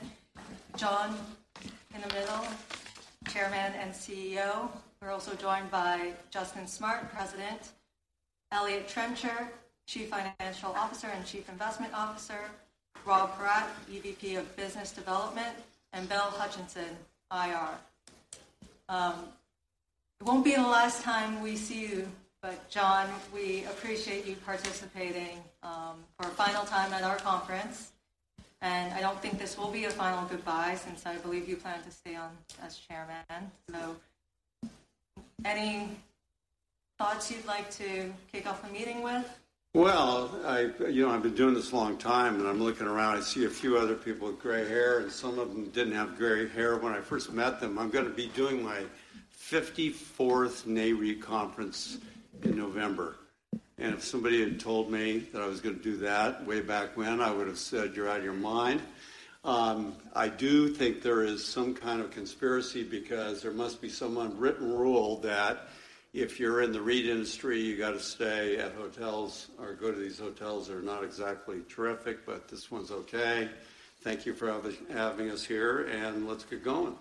John, in the middle, Chairman and CEO. We're also joined by Justin Smart, President; Eliott Trencher, Chief Financial Officer and Chief Investment Officer; Rob Poratte, EVP of Business Development; and Bill Hutchinson, IR. It won't be the last time we see you, but John, we appreciate you participating for a final time at our conference. And I don't think this will be a final goodbye since I believe you plan to stay on as chairman. So any thoughts you'd like to kick off the meeting with? Well, you know, I've been doing this a long time, and I'm looking around. I see a few other people with gray hair, and some of them didn't have gray hair when I first met them. I'm gonna be doing my 54th Nareit Conference in November, and if somebody had told me that I was gonna do that way back when, I would have said, "You're out of your mind." I do think there is some kind of conspiracy because there must be some unwritten rule that if you're in the REIT industry, you got to stay at hotels or go to these hotels that are not exactly terrific, but this one's okay. Thank you for having us here, and let's get going.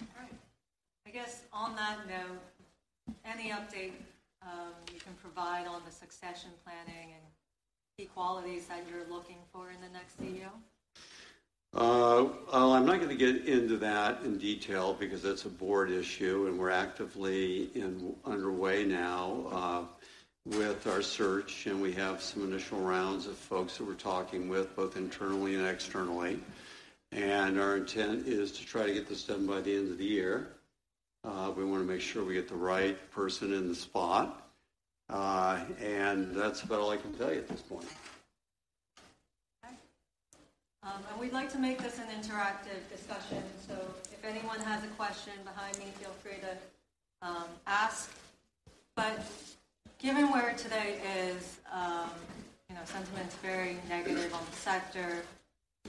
All right. I guess on that note, any update you can provide on the succession planning and key qualities that you're looking for in the next CEO? Well, I'm not going to get into that in detail because that's a board issue, and we're actively underway now with our search, and we have some initial rounds of folks who we're talking with, both internally and externally. Our intent is to try to get this done by the end of the year. We want to make sure we get the right person in the spot. That's about all I can tell you at this point. Okay. And we'd like to make this an interactive discussion, so if anyone has a question behind me, feel free to ask. But given where today is, you know, sentiment is very negative on the sector,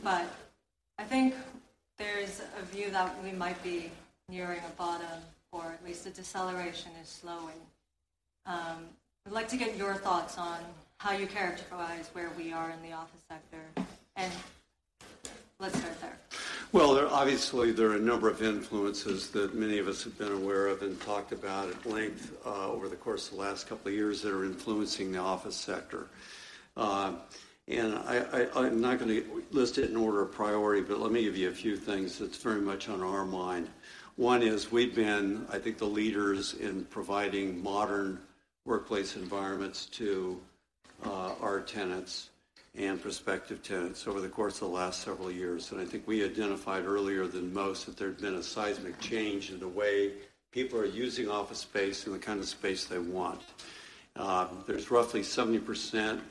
but I think there's a view that we might be nearing a bottom, or at least the deceleration is slowing. I'd like to get your thoughts on how you characterize where we are in the office sector. And let's start there. Well, there obviously are a number of influences that many of us have been aware of and talked about at length over the course of the last couple of years that are influencing the office sector. And I, I, I'm not going to list it in order of priority, but let me give you a few things that's very much on our mind. One is, we've been, I think, the leaders in providing modern workplace environments to our tenants and prospective tenants over the course of the last several years. And I think we identified earlier than most that there had been a seismic change in the way people are using office space and the kind of space they want. There's roughly 70%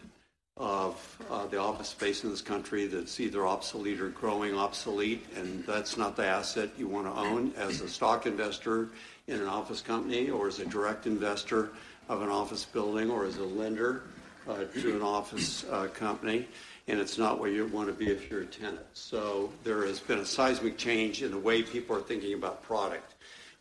of the office space in this country that's either obsolete or growing obsolete, and that's not the asset you want to own as a stock investor in an office company, or as a direct investor of an office building, or as a lender to an office company, and it's not where you want to be if you're a tenant. So there has been a seismic change in the way people are thinking about product.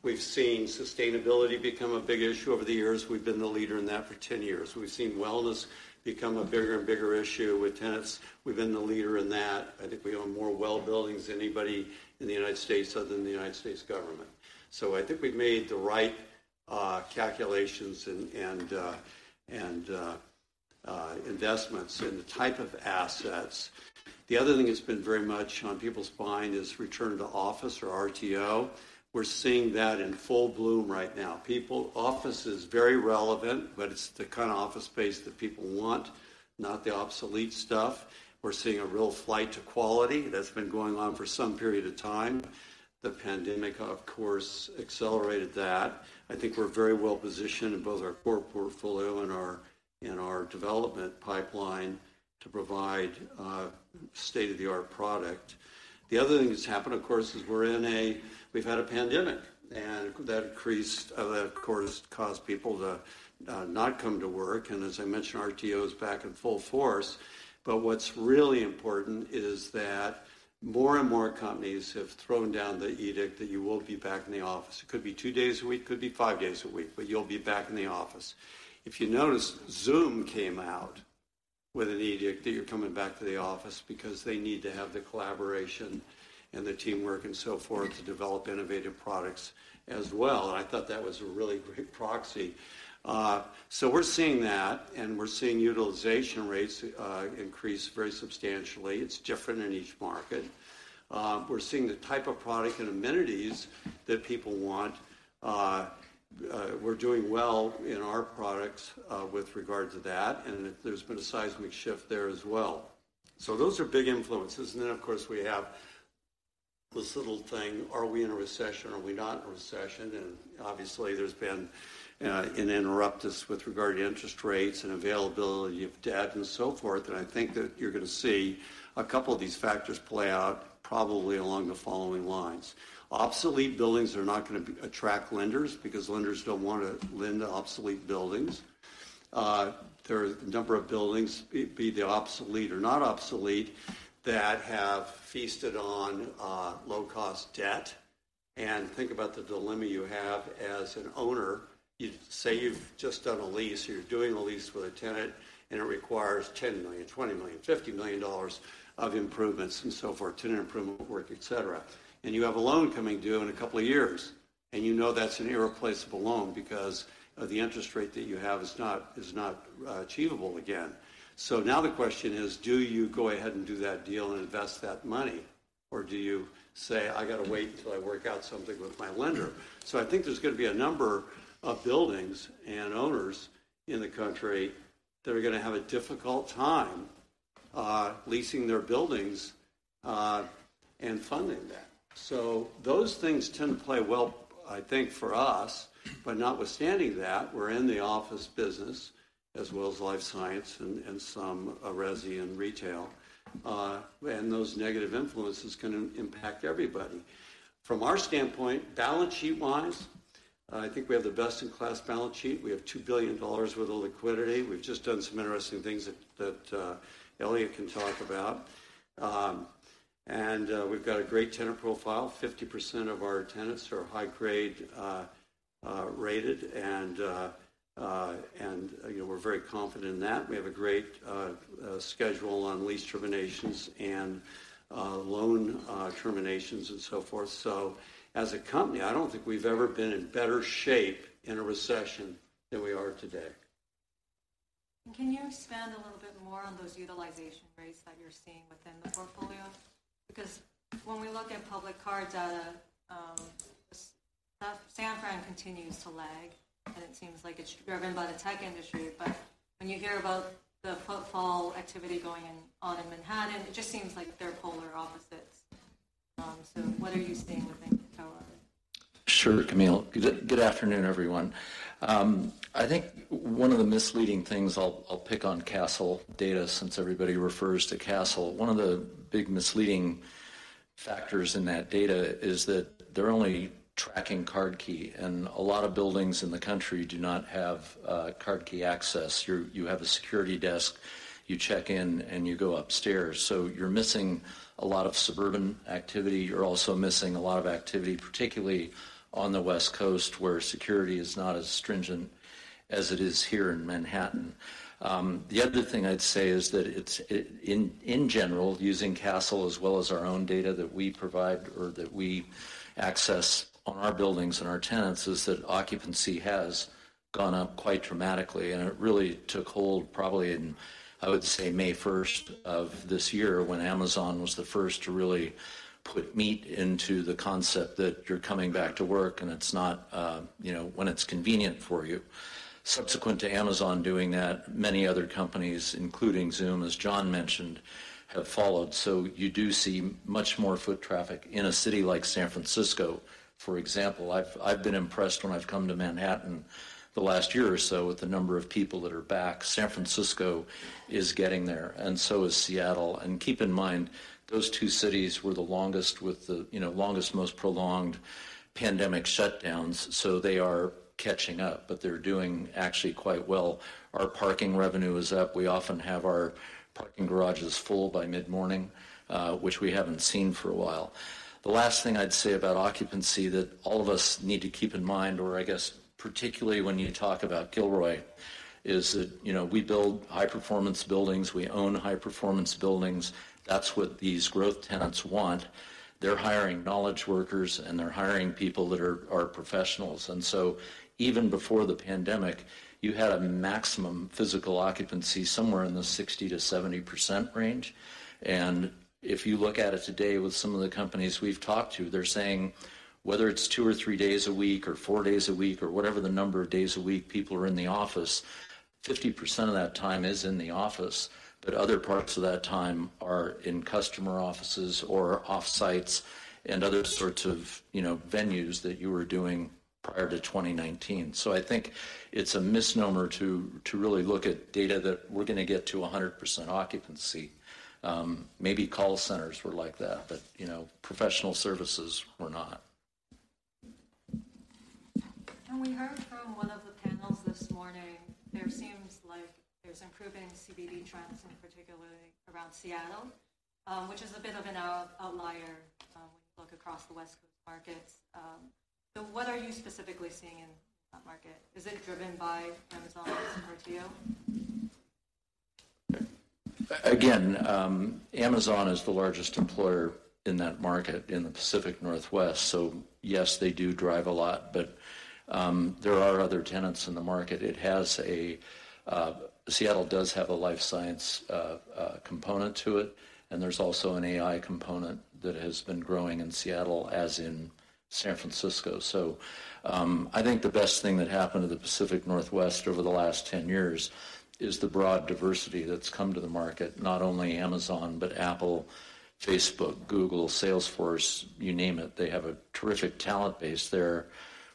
We've seen sustainability become a big issue over the years. We've been the leader in that for 10 years. We've seen wellness become a bigger and bigger issue with tenants. We've been the leader in that. I think we own more WELL buildings than anybody in the United States, other than the United States government. So I think we've made the right calculations and investments in the type of assets. The other thing that's been very much on people's mind is return to office or RTO. We're seeing that in full bloom right now. People... Office is very relevant, but it's the kind of office space that people want, not the obsolete stuff. We're seeing a real flight to quality that's been going on for some period of time. The pandemic, of course, accelerated that. I think we're very well positioned in both our core portfolio and our development pipeline... to provide state-of-the-art product. The other thing that's happened, of course, is we've had a pandemic, and that, of course, caused people to not come to work. And as I mentioned, RTO is back in full force. But what's really important is that more and more companies have thrown down the edict that you will be back in the office. It could be two days a week, could be five days a week, but you'll be back in the office. If you notice, Zoom came out with an edict that you're coming back to the office because they need to have the collaboration and the teamwork and so forth to develop innovative products as well, and I thought that was a really great proxy. So we're seeing that, and we're seeing utilization rates increase very substantially. It's different in each market. We're seeing the type of product and amenities that people want. We're doing well in our products with regard to that, and there's been a seismic shift there as well. So those are big influences. And then, of course, we have this little thing, are we in a recession, are we not in a recession? And obviously, there's been an interruptus with regard to interest rates and availability of debt and so forth, and I think that you're gonna see a couple of these factors play out probably along the following lines. Obsolete buildings are not gonna attract lenders because lenders don't want to lend to obsolete buildings. There are a number of buildings, be they obsolete or not obsolete, that have feasted on low-cost debt. And think about the dilemma you have as an owner. Say you've just done a lease, or you're doing a lease with a tenant, and it requires $10 million, $20 million, $50 million of improvements and so forth, tenant improvement work, et cetera. And you have a loan coming due in a couple of years, and you know that's an irreplaceable loan because, the interest rate that you have is not, is not, achievable again. So now the question is, do you go ahead and do that deal and invest that money, or do you say, "I got to wait until I work out something with my lender?" So I think there's gonna be a number of buildings and owners in the country that are gonna have a difficult time, leasing their buildings, and funding that. So those things tend to play well, I think, for us. But notwithstanding that, we're in the office business as well as life science and, and some, resi and retail, and those negative influences can impact everybody. From our standpoint, balance sheet-wise, I think we have the best-in-class balance sheet. We have $2 billion worth of liquidity. We've just done some interesting things that Eliott can talk about. We've got a great tenant profile. 50% of our tenants are high-grade rated, and you know, we're very confident in that. We have a great schedule on lease terminations and loan terminations, and so forth. So as a company, I don't think we've ever been in better shape in a recession than we are today. And can you expand a little bit more on those utilization rates that you're seeing within the portfolio? Because when we look at public card data, San Fran continues to lag, and it seems like it's driven by the tech industry. But when you hear about the footfall activity going on in Manhattan, it just seems like they're polar opposites. So what are you seeing within Tower? Sure, Camille. Good afternoon, everyone. I think one of the misleading things... I'll pick on Kastle data, since everybody refers to Kastle. One of the big misleading factors in that data is that they're only tracking card key, and a lot of buildings in the country do not have card key access. You have a security desk, you check in, and you go upstairs. So you're missing a lot of suburban activity. You're also missing a lot of activity, particularly on the West Coast, where security is not as stringent as it is here in Manhattan. The other thing I'd say is that it's in general, using Kastle as well as our own data that we provide or that we access on our buildings and our tenants, is that occupancy has gone up quite dramatically, and it really took hold probably in, I would say, May 1st of this year, when Amazon was the first to really put meat into the concept that you're coming back to work, and it's not, you know, when it's convenient for you. Subsequent to Amazon doing that, many other companies, including Zoom, as John mentioned, have followed. So you do see much more foot traffic in a city like San Francisco. For example, I've been impressed when I've come to Manhattan the last year or so with the number of people that are back. San Francisco is getting there, and so is Seattle. And keep in mind, those two cities were the longest with the, you know, longest, most prolonged pandemic shutdowns, so they are catching up, but they're doing actually quite well. Our parking revenue is up. We often have our parking garages full by mid-morning, which we haven't seen for a while. The last thing I'd say about occupancy that all of us need to keep in mind, or I guess, particularly when you talk about Kilroy, is that, you know, we build high-performance buildings. We own high-performance buildings. That's what these growth tenants want. They're hiring knowledge workers, and they're hiring people that are professionals. And so even before the pandemic, you had a maximum physical occupancy somewhere in the 60%-70% range. And if you look at it today with some of the companies we've talked to, they're saying whether it's two or three days a week, or four days a week, or whatever the number of days a week people are in the office, 50% of that time is in the office, but other parts of that time are in customer offices or off-sites and other sorts of, you know, venues that you were doing prior to 2019. So I think it's a misnomer to really look at data that we're gonna get to 100% occupancy. Maybe call centers were like that, but, you know, professional services were not. We heard from one of the panels this morning. There seems like there's improving CBD trends, in particular around Seattle, which is a bit of an outlier when you look across the West Coast markets. So what are you specifically seeing in that market? Is it driven by Amazon or Theo? Again, Amazon is the largest employer in that market in the Pacific Northwest. So yes, they do drive a lot, but, there are other tenants in the market. It has a... Seattle does have a life science component to it, and there's also an AI component that has been growing in Seattle as in San Francisco. So, I think the best thing that happened to the Pacific Northwest over the last 10 years is the broad diversity that's come to the market. Not only Amazon, but Apple, Facebook, Google, Salesforce, you name it. They have a terrific talent base there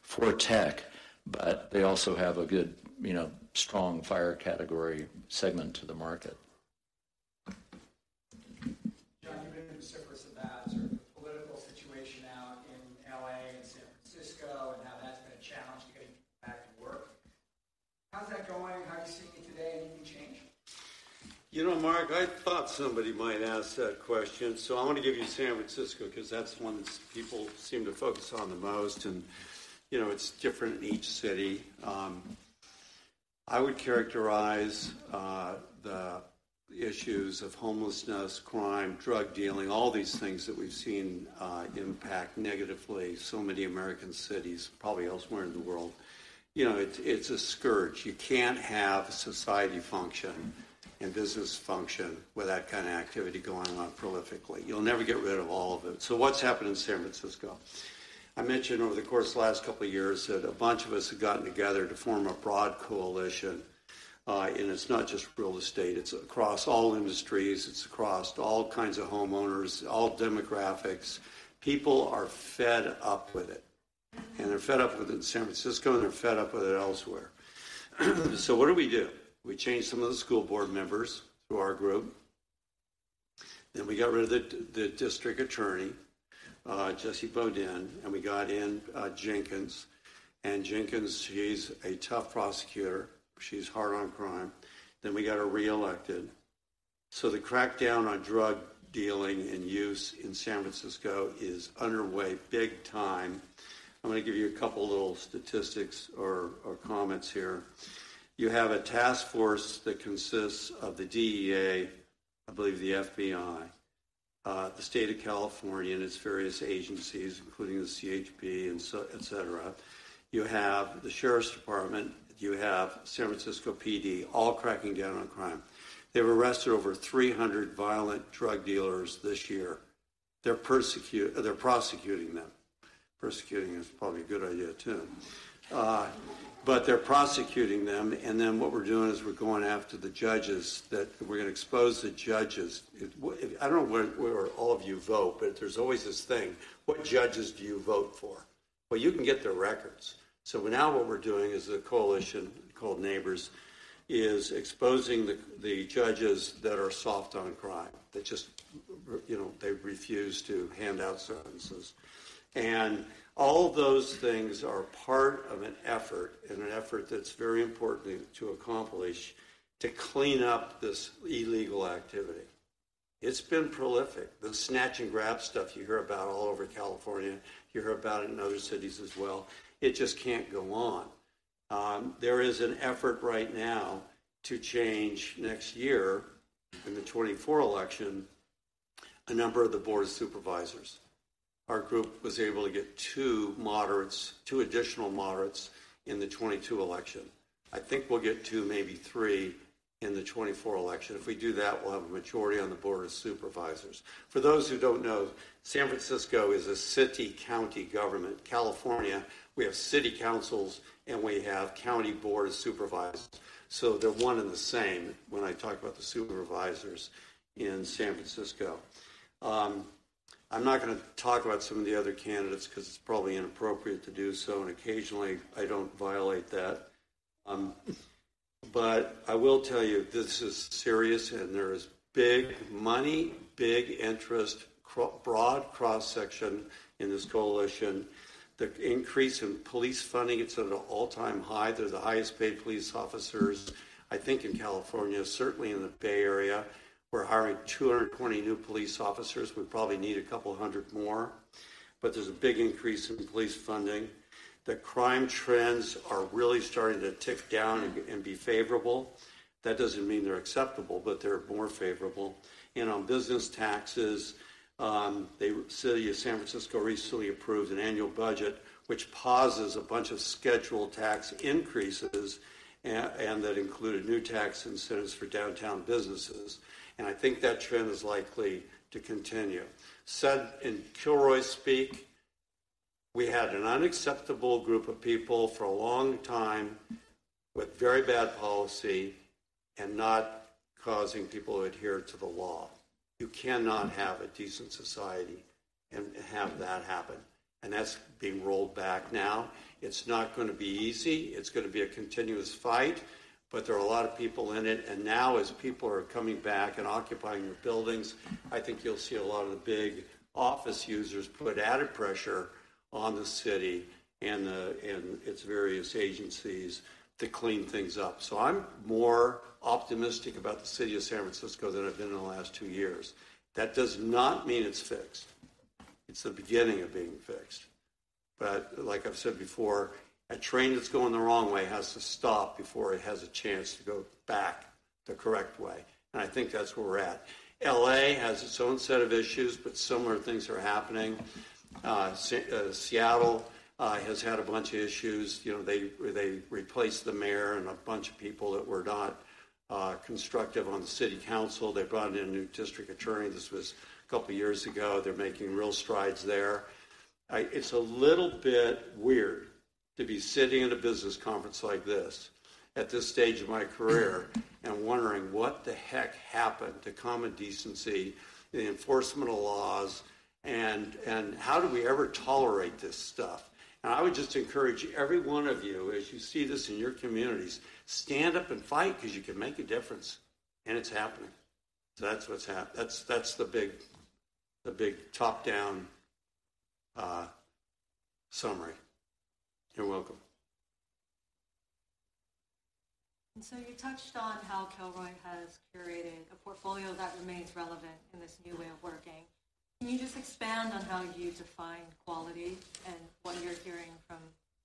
for tech, but they also have a good, you know, strong FIRE category segment to the market. John, you've been in the circus of that, sort of political situation out in L.A. and San Francisco, and how that's been a challenge to getting people back to work. How's that going? How are you seeing it today? Anything change? You know, Mark, I thought somebody might ask that question. So I want to give you San Francisco, 'cause that's the one that's people seem to focus on the most, and, you know, it's different in each city. I would characterize the issues of homelessness, crime, drug dealing, all these things that we've seen impact negatively so many American cities, probably elsewhere in the world. You know, it's a scourge. You can't have society function and business function with that kind of activity going on prolifically. You'll never get rid of all of it. So what's happened in San Francisco? I mentioned over the course of the last couple of years that a bunch of us have gotten together to form a broad coalition, and it's not just real estate, it's across all industries, it's across all kinds of homeowners, all demographics. People are fed up with it, and they're fed up with it in San Francisco, and they're fed up with it elsewhere. So what do we do? We changed some of the school board members through our group, then we got rid of the district attorney, Chesa Boudin, and we got in Jenkins. And Jenkins, she's a tough prosecutor. She's hard on crime. Then we got her reelected. So the crackdown on drug dealing and use in San Francisco is underway big time. I'm gonna give you a couple of little statistics or comments here. You have a task force that consists of the DEA, I believe the FBI, the State of California, and its various agencies, including the CHP, and so, et cetera. You have the Sheriff's Department, you have San Francisco PD, all cracking down on crime. They've arrested over 300 violent drug dealers this year. They're prosecuting them. Persecuting is probably a good idea, too. But they're prosecuting them, and then what we're doing is we're going after the judges that we're gonna expose the judges. I don't know where all of you vote, but there's always this thing: What judges do you vote for? Well, you can get their records. So now what we're doing is a coalition called Neighbors is exposing the judges that are soft on crime. They just, you know, they refuse to hand out sentences. And all of those things are part of an effort, an effort that's very important to accomplish, to clean up this illegal activity. It's been prolific. The snatch-and-grab stuff you hear about all over California, you hear about it in other cities as well, it just can't go on. There is an effort right now to change next year, in the 2024 election, a number of the board of supervisors. Our group was able to get two moderates, two additional moderates in the 2022 election. I think we'll get two, maybe three, in the 2024 election. If we do that, we'll have a majority on the board of supervisors. For those who don't know, San Francisco is a city-county government. California, we have city councils, and we have county board of supervisors, so they're one and the same when I talk about the supervisors in San Francisco. I'm not gonna talk about some of the other candidates 'cause it's probably inappropriate to do so, and occasionally, I don't violate that. But I will tell you, this is serious, and there is big money, big interest, broad cross-section in this coalition. The increase in police funding, it's at an all-time high. They're the highest paid police officers, I think, in California, certainly in the Bay Area. We're hiring 220 new police officers. We probably need a couple of hundred more, but there's a big increase in police funding. The crime trends are really starting to tick down and, and be favorable. That doesn't mean they're acceptable, but they're more favorable. And on business taxes, the city of San Francisco recently approved an annual budget, which pauses a bunch of scheduled tax increases, and that included new tax incentives for downtown businesses, and I think that trend is likely to continue. Said in Kilroy speak, we had an unacceptable group of people for a long time... with very bad policy and not causing people to adhere to the law. You cannot have a decent society and, and have that happen, and that's being rolled back now. It's not going to be easy. It's going to be a continuous fight, but there are a lot of people in it, and now, as people are coming back and occupying their buildings, I think you'll see a lot of the big office users put added pressure on the city and the, and its various agencies to clean things up. So I'm more optimistic about the city of San Francisco than I've been in the last two years. That does not mean it's fixed. It's the beginning of being fixed. But like I've said before, a train that's going the wrong way has to stop before it has a chance to go back the correct way, and I think that's where we're at. L.A. has its own set of issues, but similar things are happening. Seattle has had a bunch of issues. You know, they replaced the mayor and a bunch of people that were not constructive on the city council. They brought in a new district attorney. This was a couple of years ago. They're making real strides there. It's a little bit weird to be sitting in a business conference like this at this stage of my career and wondering: What the heck happened to common decency, the enforcement of laws, and how did we ever tolerate this stuff? And I would just encourage every one of you, as you see this in your communities, stand up and fight because you can make a difference, and it's happening. So that's what's happening. That's, that's the big, the big top-down summary. You're welcome. So you touched on how Kilroy has curated a portfolio that remains relevant in this new way of working. Can you just expand on how you define quality and what you're hearing from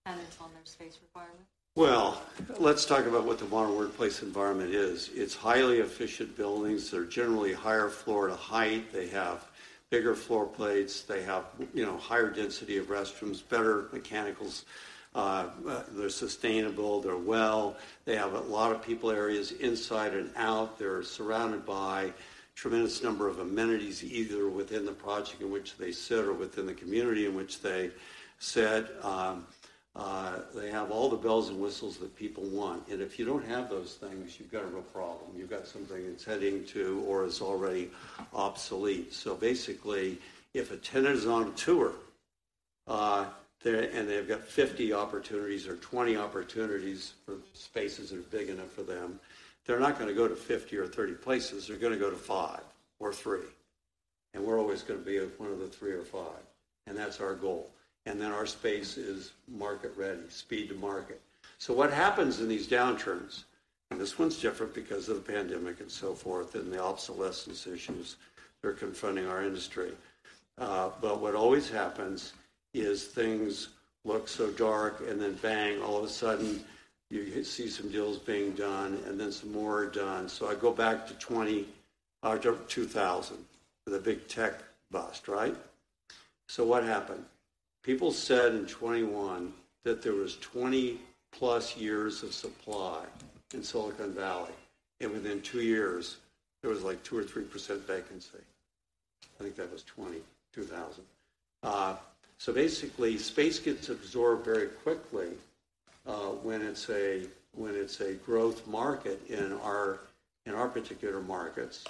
tenants on their space requirements? Well, let's talk about what the modern workplace environment is. It's highly efficient buildings. They're generally higher floor to height. They have bigger floor plates. They have, you know, higher density of restrooms, better mechanicals, they're sustainable, they're well. They have a lot of people areas inside and out. They're surrounded by tremendous number of amenities, either within the project in which they sit or within the community in which they sit. They have all the bells and whistles that people want, and if you don't have those things, you've got a real problem. You've got something that's heading to or is already obsolete. So basically, if a tenant is on a tour, they've got 50 opportunities or 20 opportunities for spaces that are big enough for them, they're not going to go to 50 or 30 places. They're going to go to five or three, and we're always going to be one of the three or five, and that's our goal. And then our space is market-ready, speed to market. So what happens in these downturns, and this one's different because of the pandemic and so forth, and the obsolescence issues that are confronting our industry. But what always happens is things look so dark, and then bang, all of a sudden, you see some deals being done and then some more are done. So I go back to 2000, the big tech bust, right? So what happened? People said in 2001 that there was 20+ years of supply in Silicon Valley, and within two years, there was, like, 2%-3% vacancy. I think that was 2002. So basically, space gets absorbed very quickly when it's a growth market in our particular markets.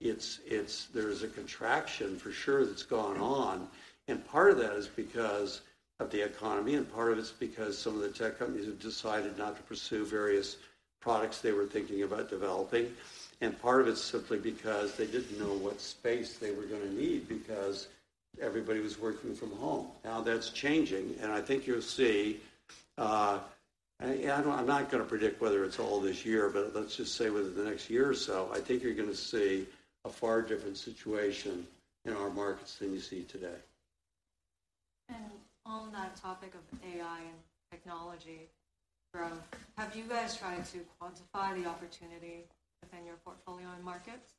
There's a contraction for sure that's gone on, and part of that is because of the economy, and part of it's because some of the tech companies have decided not to pursue various products they were thinking about developing, and part of it's simply because they didn't know what space they were going to need because everybody was working from home. Now, that's changing, and I think you'll see. I'm not going to predict whether it's all this year, but let's just say within the next year or so, I think you're going to see a far different situation in our markets than you see today. On that topic of AI and technology growth, have you guys tried to quantify the opportunity within your portfolio and markets?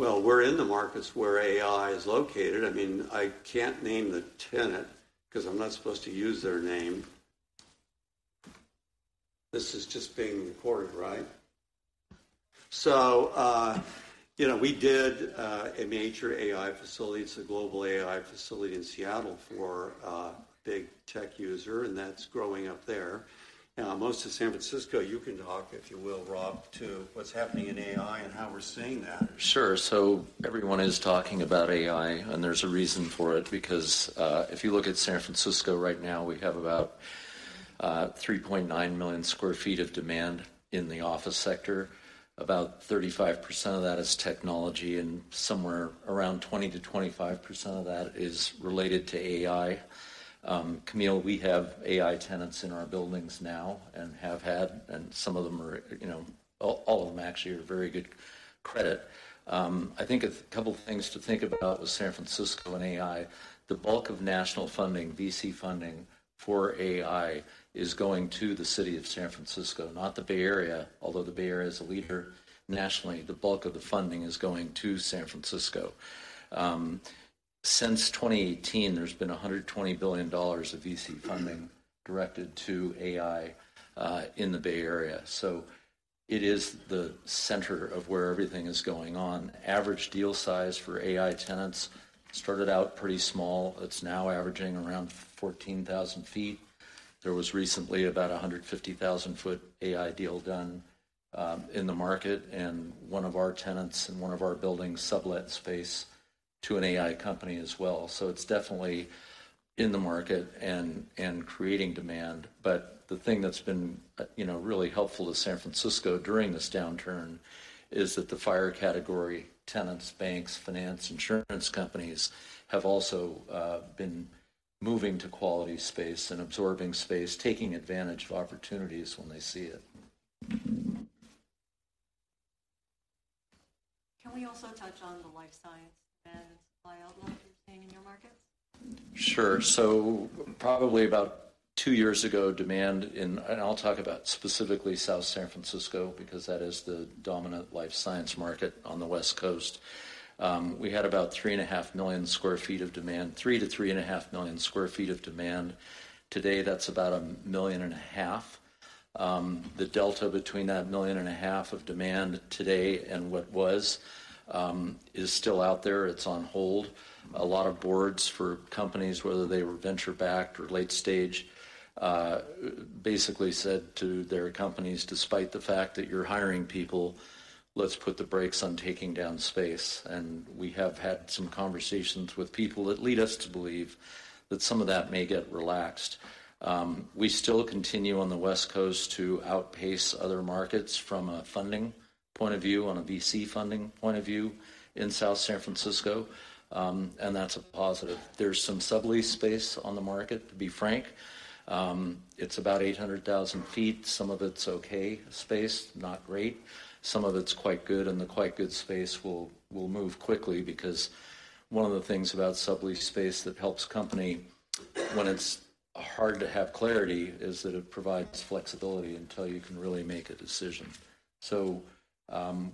Well, we're in the markets where AI is located. I mean, I can't name the tenant because I'm not supposed to use their name. This is just being recorded, right? So, you know, we did a major AI facility. It's a global AI facility in Seattle for a big tech user, and that's growing up there. Most of San Francisco, you can talk, if you will, Rob, to what's happening in AI and how we're seeing that. Sure. So everyone is talking about AI, and there's a reason for it because if you look at San Francisco right now, we have about 3.9 million sq ft of demand in the office sector. About 35% of that is technology, and somewhere around 20%-25% of that is related to AI. Camille, we have AI tenants in our buildings now and have had, and some of them are, you know... All, all of them actually are very good credit. I think a couple of things to think about with San Francisco and AI, the bulk of national funding, VC funding for AI, is going to the city of San Francisco, not the Bay Area, although the Bay Area is a leader nationally. The bulk of the funding is going to San Francisco. Since 2018, there's been $120 billion of VC funding directed to AI in the Bay Area. It is the center of where everything is going on. Average deal size for AI tenants started out pretty small. It's now averaging around 14,000 sq ft. There was recently about a 150,000-sq ft AI deal done in the market, and one of our tenants in one of our buildings sublet space to an AI company as well. So it's definitely in the market and creating demand. But the thing that's been, you know, really helpful to San Francisco during this downturn is that the FIRE category tenants, banks, finance, insurance companies, have also been moving to quality space and absorbing space, taking advantage of opportunities when they see it. Can we also touch on the Life Science and supply outlook you're seeing in your markets? Sure. So probably about two years ago, demand in and I'll talk about specifically South San Francisco, because that is the dominant life science market on the West Coast. We had about 3.5 million sq ft of demand, 3-3.5 million sq ft of demand. Today, that's about 1.5 million. The delta between that 1.5 million of demand today and what was, is still out there, it's on hold. A lot of boards for companies, whether they were venture-backed or late stage, basically said to their companies, "Despite the fact that you're hiring people, let's put the brakes on taking down space." And we have had some conversations with people that lead us to believe that some of that may get relaxed. We still continue on the West Coast to outpace other markets from a funding point of view, on a VC funding point of view in South San Francisco, and that's a positive. There's some sublease space on the market, to be frank. It's about 800,000 sq ft. Some of it's okay space, not great. Some of it's quite good, and the quite good space will, will move quickly because one of the things about sublease space that helps company when it's hard to have clarity, is that it provides flexibility until you can really make a decision. So,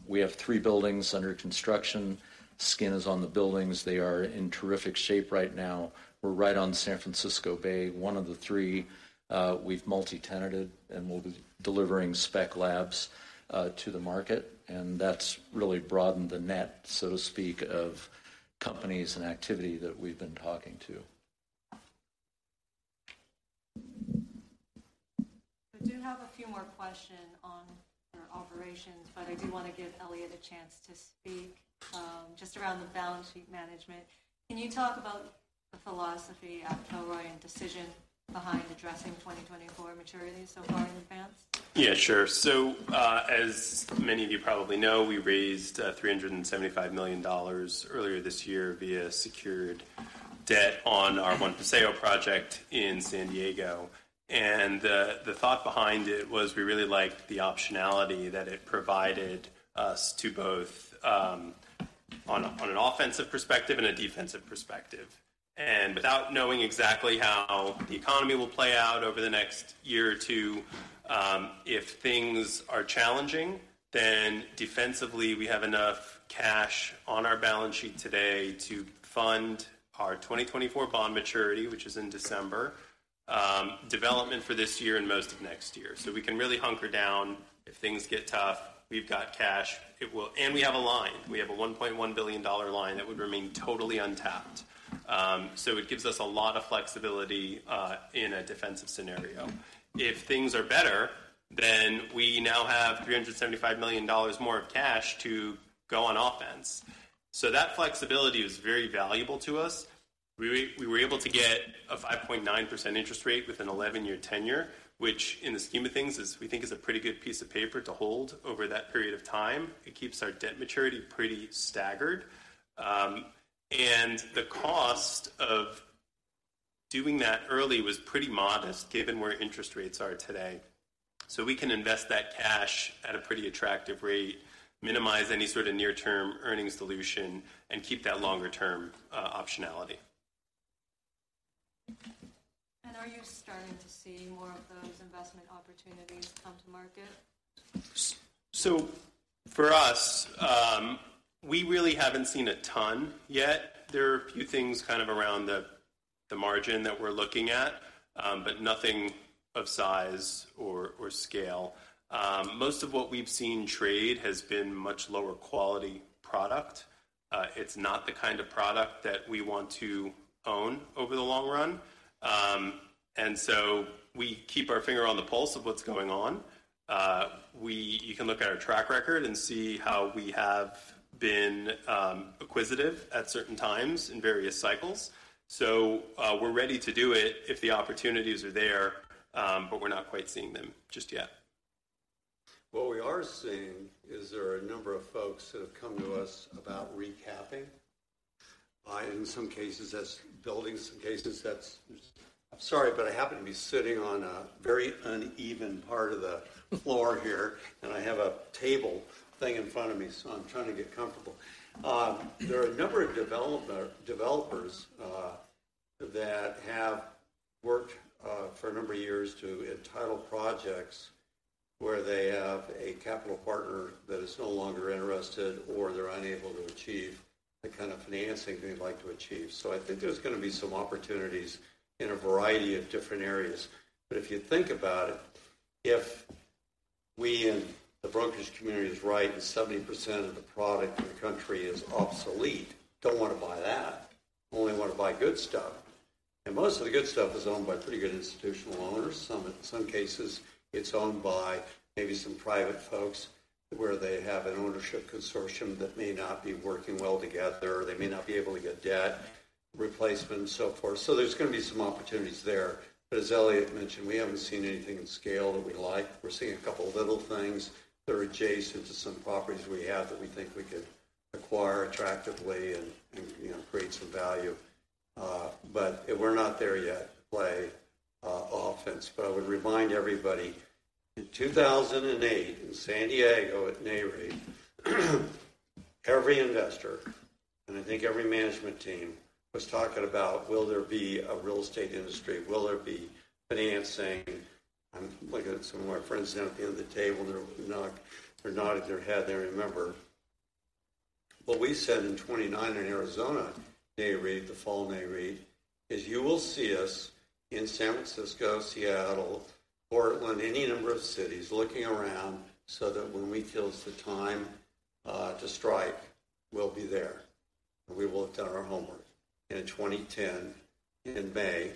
we have three buildings under construction. Skin is on the buildings. They are in terrific shape right now. We're right on San Francisco Bay. One of the three, we've multi-tenanted, and we'll be delivering Spec Labs to the market, and that's really broadened the net, so to speak, of companies and activity that we've been talking to. I do have a few more questions on our operations, but I do want to give Eliott a chance to speak just around the balance sheet management. Can you talk about the philosophy at Kilroy and decision behind addressing 2024 maturity so far in advance? Yeah, sure. So, as many of you probably know, we raised $375 million earlier this year via secured debt on our One Paseo project in San Diego. And the thought behind it was we really liked the optionality that it provided us to both, on a, on an offensive perspective and a defensive perspective. And without knowing exactly how the economy will play out over the next year or two, if things are challenging, then defensively, we have enough cash on our balance sheet today to fund our 2024 bond maturity, which is in December, development for this year and most of next year. So we can really hunker down. If things get tough, we've got cash. It will. And we have a line. We have a $1.1 billion line that would remain totally untapped. So it gives us a lot of flexibility in a defensive scenario. If things are better, then we now have $375 million more of cash to go on offense. So that flexibility is very valuable to us. We, we were able to get a 5.9% interest rate with an 11-year tenure, which in the scheme of things is, we think is a pretty good piece of paper to hold over that period of time. It keeps our debt maturity pretty staggered. And the cost of doing that early was pretty modest, given where interest rates are today. So we can invest that cash at a pretty attractive rate, minimize any sort of near-term earnings dilution, and keep that longer-term optionality. Are you starting to see more of those investment opportunities come to market? So for us, we really haven't seen a ton yet. There are a few things kind of around the, the margin that we're looking at, but nothing of size or, or scale. Most of what we've seen trade has been much lower quality product. It's not the kind of product that we want to own over the long run. And so we keep our finger on the pulse of what's going on. You can look at our track record and see how we have been, acquisitive at certain times in various cycles. So, we're ready to do it if the opportunities are there, but we're not quite seeing them just yet. What we are seeing is there are a number of folks that have come to us about recapping. In some cases, that's buildings, some cases that's... I'm sorry, but I happen to be sitting on a very uneven part of the floor here, and I have a table thing in front of me, so I'm trying to get comfortable. There are a number of developers that have worked for a number of years to entitle projects where they have a capital partner that is no longer interested or they're unable to achieve.... the kind of financing they'd like to achieve. So I think there's gonna be some opportunities in a variety of different areas. But if you think about it, if we in the brokerage community is right, and 70% of the product in the country is obsolete, don't wanna buy that, only wanna buy good stuff. And most of the good stuff is owned by pretty good institutional owners. Some, in some cases, it's owned by maybe some private folks, where they have an ownership consortium that may not be working well together, or they may not be able to get debt replacement and so forth. So there's gonna be some opportunities there. But as Eliott mentioned, we haven't seen anything in scale that we like. We're seeing a couple of little things that are adjacent to some properties we have that we think we could acquire attractively and, you know, create some value. But we're not there yet to play offense. But I would remind everybody, in 2008, in San Diego at Nareit, every investor, and I think every management team, was talking about, will there be a real estate industry? Will there be financing? I'm looking at some of my friends down at the end of the table, they're nodding their head. They remember. What we said in 2009 in Arizona Nareit, the fall Nareit, is you will see us in San Francisco, Seattle, Portland, any number of cities, looking around so that when we feel it's the time to strike, we'll be there, and we will have done our homework. In 2010, in May,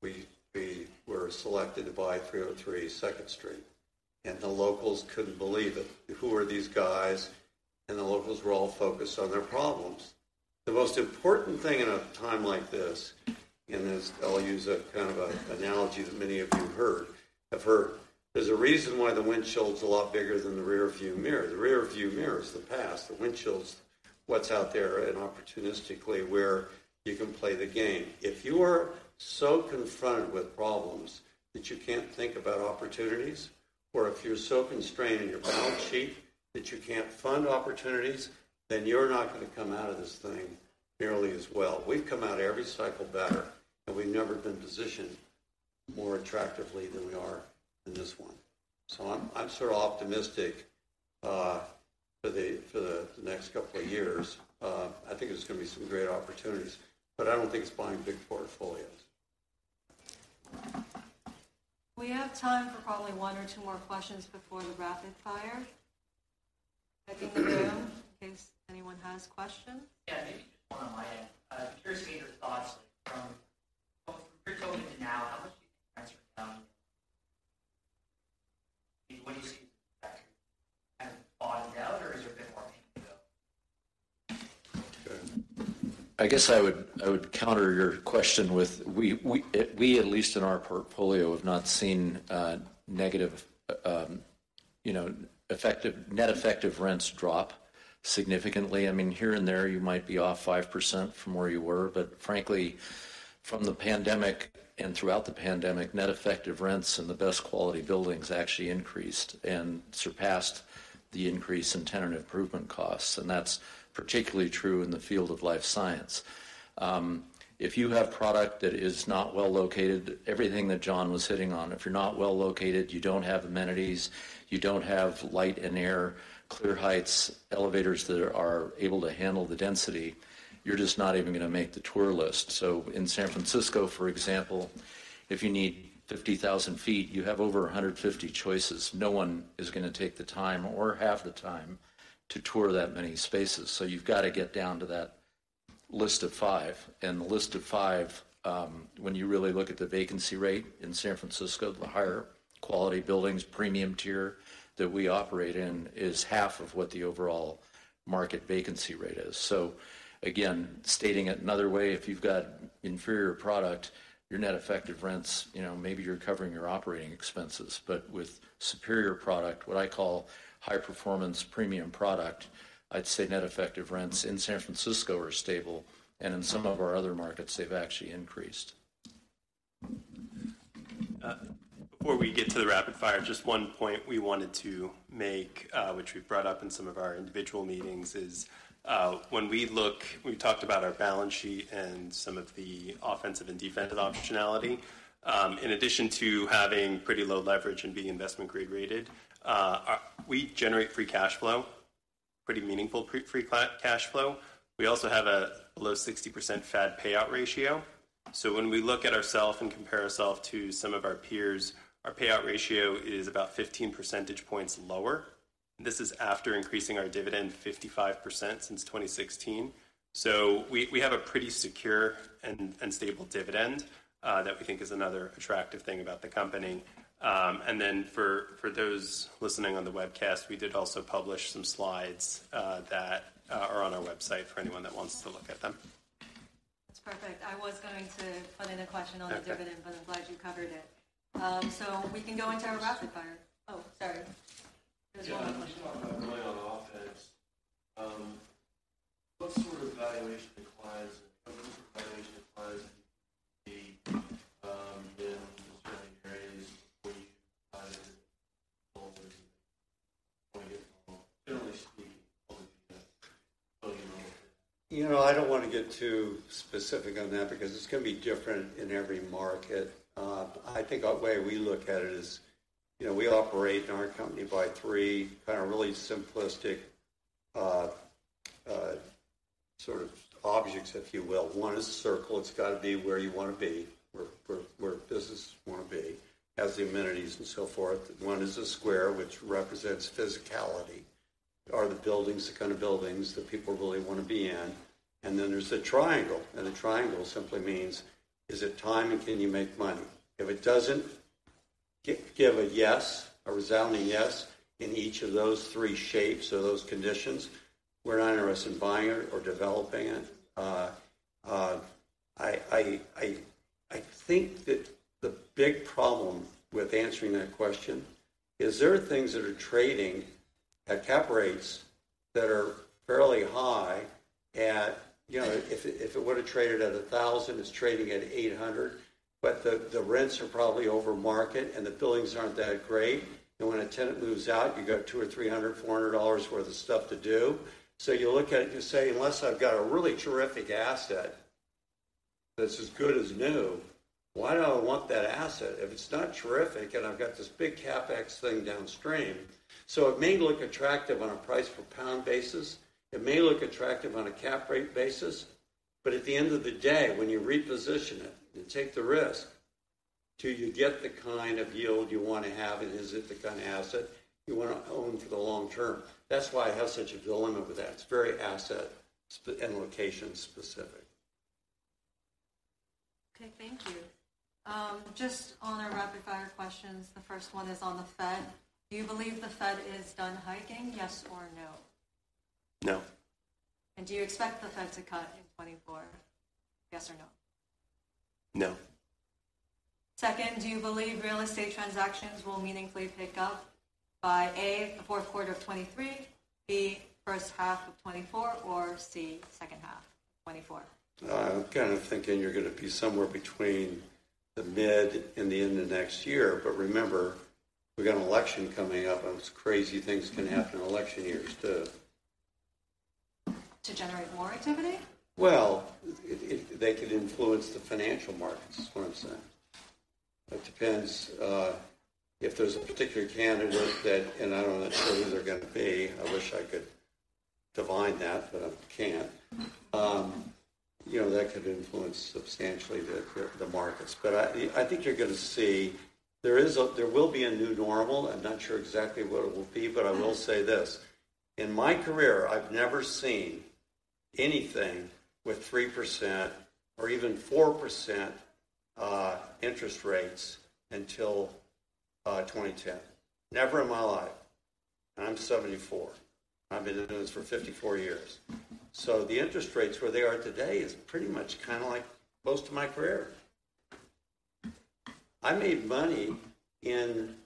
we, we were selected to buy 303 Second Street, and the locals couldn't believe it. Who are these guys? The locals were all focused on their problems. The most important thing in a time like this, and this, I'll use a, kind of an analogy that many of you heard, have heard. There's a reason why the windshield's a lot bigger than the rearview mirror. The rearview mirror is the past, the windshield's what's out there and opportunistically where you can play the game. If you are so confronted with problems that you can't think about opportunities, or if you're so constrained in your balance sheet that you can't fund opportunities, then you're not gonna come out of this thing nearly as well. We've come out every cycle better, and we've never been positioned more attractively than we are in this one. So I'm sort of optimistic for the next couple of years. I think there's gonna be some great opportunities, but I don't think it's buying big portfolios. We have time for probably one or two more questions before the rapid fire. I think the room, in case anyone has questions. Yeah, maybe just one on my end. I'm curious to get your thoughts from what you're talking to now, how much do you think rents are down? I mean, what do you see as the factor? Kind of bottomed out, or is there a bit more pain to go? I guess I would counter your question with, we, at least in our portfolio, have not seen negative, you know, effective net effective rents drop significantly. I mean, here and there, you might be off 5% from where you were, but frankly, from the pandemic and throughout the pandemic, net effective rents in the best quality buildings actually increased and surpassed the increase in tenant improvement costs, and that's particularly true in the field of life science. If you have product that is not well located, everything that John was hitting on, if you're not well located, you don't have amenities, you don't have light and air, clear heights, elevators that are able to handle the density, you're just not even gonna make the tour list. So in San Francisco, for example, if you need 50,000 sq ft, you have over 150 choices. No one is gonna take the time or have the time to tour that many spaces. So you've got to get down to that list of five. And the list of five, when you really look at the vacancy rate in San Francisco, the higher quality buildings, premium tier that we operate in, is half of what the overall market vacancy rate is. So again, stating it another way, if you've got inferior product, your net effective rents, you know, maybe you're covering your operating expenses, but with superior product, what I call high performance premium product, I'd say net effective rents in San Francisco are stable, and in some of our other markets, they've actually increased. Before we get to the rapid fire, just one point we wanted to make, which we've brought up in some of our individual meetings, is, when we look, we talked about our balance sheet and some of the offensive and defensive optionality. In addition to having pretty low leverage and being investment grade rated, our, we generate free cash flow, pretty meaningful free cash flow. We also have a low 60% FAD payout ratio. So when we look at ourself and compare ourself to some of our peers, our payout ratio is about 15 percentage points lower. This is after increasing our dividend 55% since 2016. So we, we have a pretty secure and, and stable dividend, that we think is another attractive thing about the company. And then, for those listening on the webcast, we did also publish some slides that are on our website for anyone that wants to look at them. That's perfect. I was going to put in a question on the dividend, but I'm glad you covered it. So we can go into our rapid fire. Oh, sorry. There's one more. Yeah, I just want to talk about going on offense. What sort of valuation implies, what sort of valuation implies the, in the surrounding areas where you can either fold or get generally speaking, over the years? You know, I don't want to get too specific on that because it's gonna be different in every market. I think our way we look at it is. You know, we operate in our company by three kind of really simplistic sort of objects, if you will. One is a circle. It's got to be where you want to be, where businesses want to be. Has the amenities and so forth. One is a square, which represents physicality. Are the buildings the kind of buildings that people really want to be in? And then there's the triangle, and the triangle simply means, is it time, and can you make money? If it doesn't give a yes, a resounding yes, in each of those three shapes or those conditions, we're not interested in buying it or developing it. I think that the big problem with answering that question is there are things that are trading at cap rates that are fairly high at, you know, if it, if it would have traded at 1,000, it's trading at 800, but the, the rents are probably over market, and the buildings aren't that great. And when a tenant moves out, you've got $200-$400 worth of stuff to do. So you look at it and you say, "Unless I've got a really terrific asset that's as good as new, why do I want that asset if it's not terrific, and I've got this big CapEx thing downstream?" So it may look attractive on a price-per-pound basis, it may look attractive on a cap rate basis, but at the end of the day, when you reposition it and take the risk, do you get the kind of yield you want to have, and is it the kind of asset you want to own for the long term? That's why I have such a dilemma with that. It's very asset- and location-specific. Okay, thank you. Just on our rapid-fire questions, the first one is on the Fed. Do you believe the Fed is done hiking, yes or no? No. Do you expect the Fed to cut in 2024, yes or no? No. Second, do you believe real estate transactions will meaningfully pick up by, A, the fourth quarter of 2023, B, first half of 2024, or C, second half of 2024? I'm kind of thinking you're going to be somewhere between the mid and the end of next year, but remember, we've got an election coming up, and crazy things can happen in election years, too. To generate more activity? Well, they could influence the financial markets, is what I'm saying. It depends, if there's a particular candidate that... And I don't necessarily know who they're going to be. I wish I could divine that, but I can't. You know, that could influence substantially the markets. But I think you're going to see, there is a-- there will be a new normal. I'm not sure exactly what it will be, but I will say this: In my career, I've never seen anything with 3% or even 4%, interest rates until 2010. Never in my life, and I'm 74. I've been doing this for 54 years. So the interest rates where they are today is pretty much kind of like most of my career. I made money in--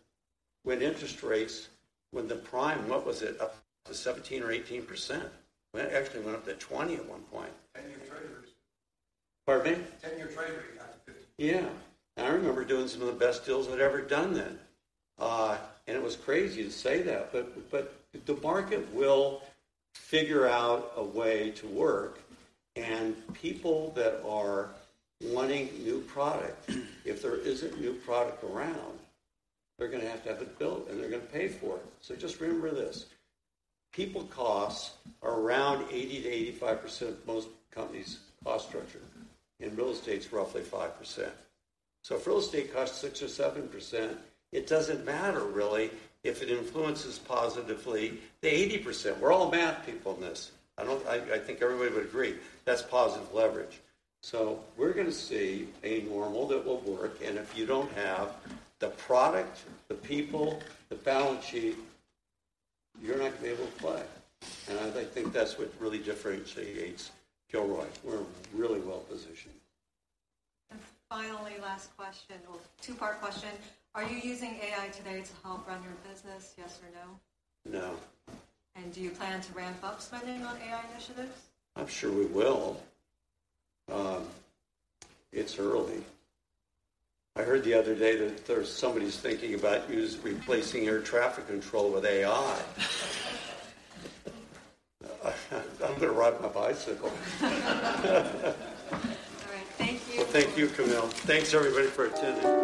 when interest rates, when the prime, what was it? Up to 17% or 18%. It actually went up to 20% at one point. 10-year treasuries. Pardon me? 10-year Treasury got to 50. Yeah. I remember doing some of the best deals I'd ever done then. And it was crazy to say that, but, but the market will figure out a way to work, and people that are wanting new product, if there isn't new product around, they're going to have to have it built, and they're going to pay for it. So just remember this, people costs are around 80%-85% of most companies' cost structure. In real estate, it's roughly 5%. So if real estate costs 6% or 7%, it doesn't matter, really, if it influences positively the 80%. We're all math people in this. I don't-- I, I think everybody would agree that's positive leverage. So we're going to see a normal that will work, and if you don't have the product, the people, the balance sheet, you're not going to be able to play. And I think that's what really differentiates Kilroy. We're really well-positioned. Finally, last question, or two-part question: Are you using AI today to help run your business, yes or no? No. Do you plan to ramp up spending on AI initiatives? I'm sure we will. It's early. I heard the other day that there's somebody thinking about replacing air traffic control with AI. I'm going to ride my bicycle. All right. Thank you. Thank you, Camille. Thanks, everybody, for attending.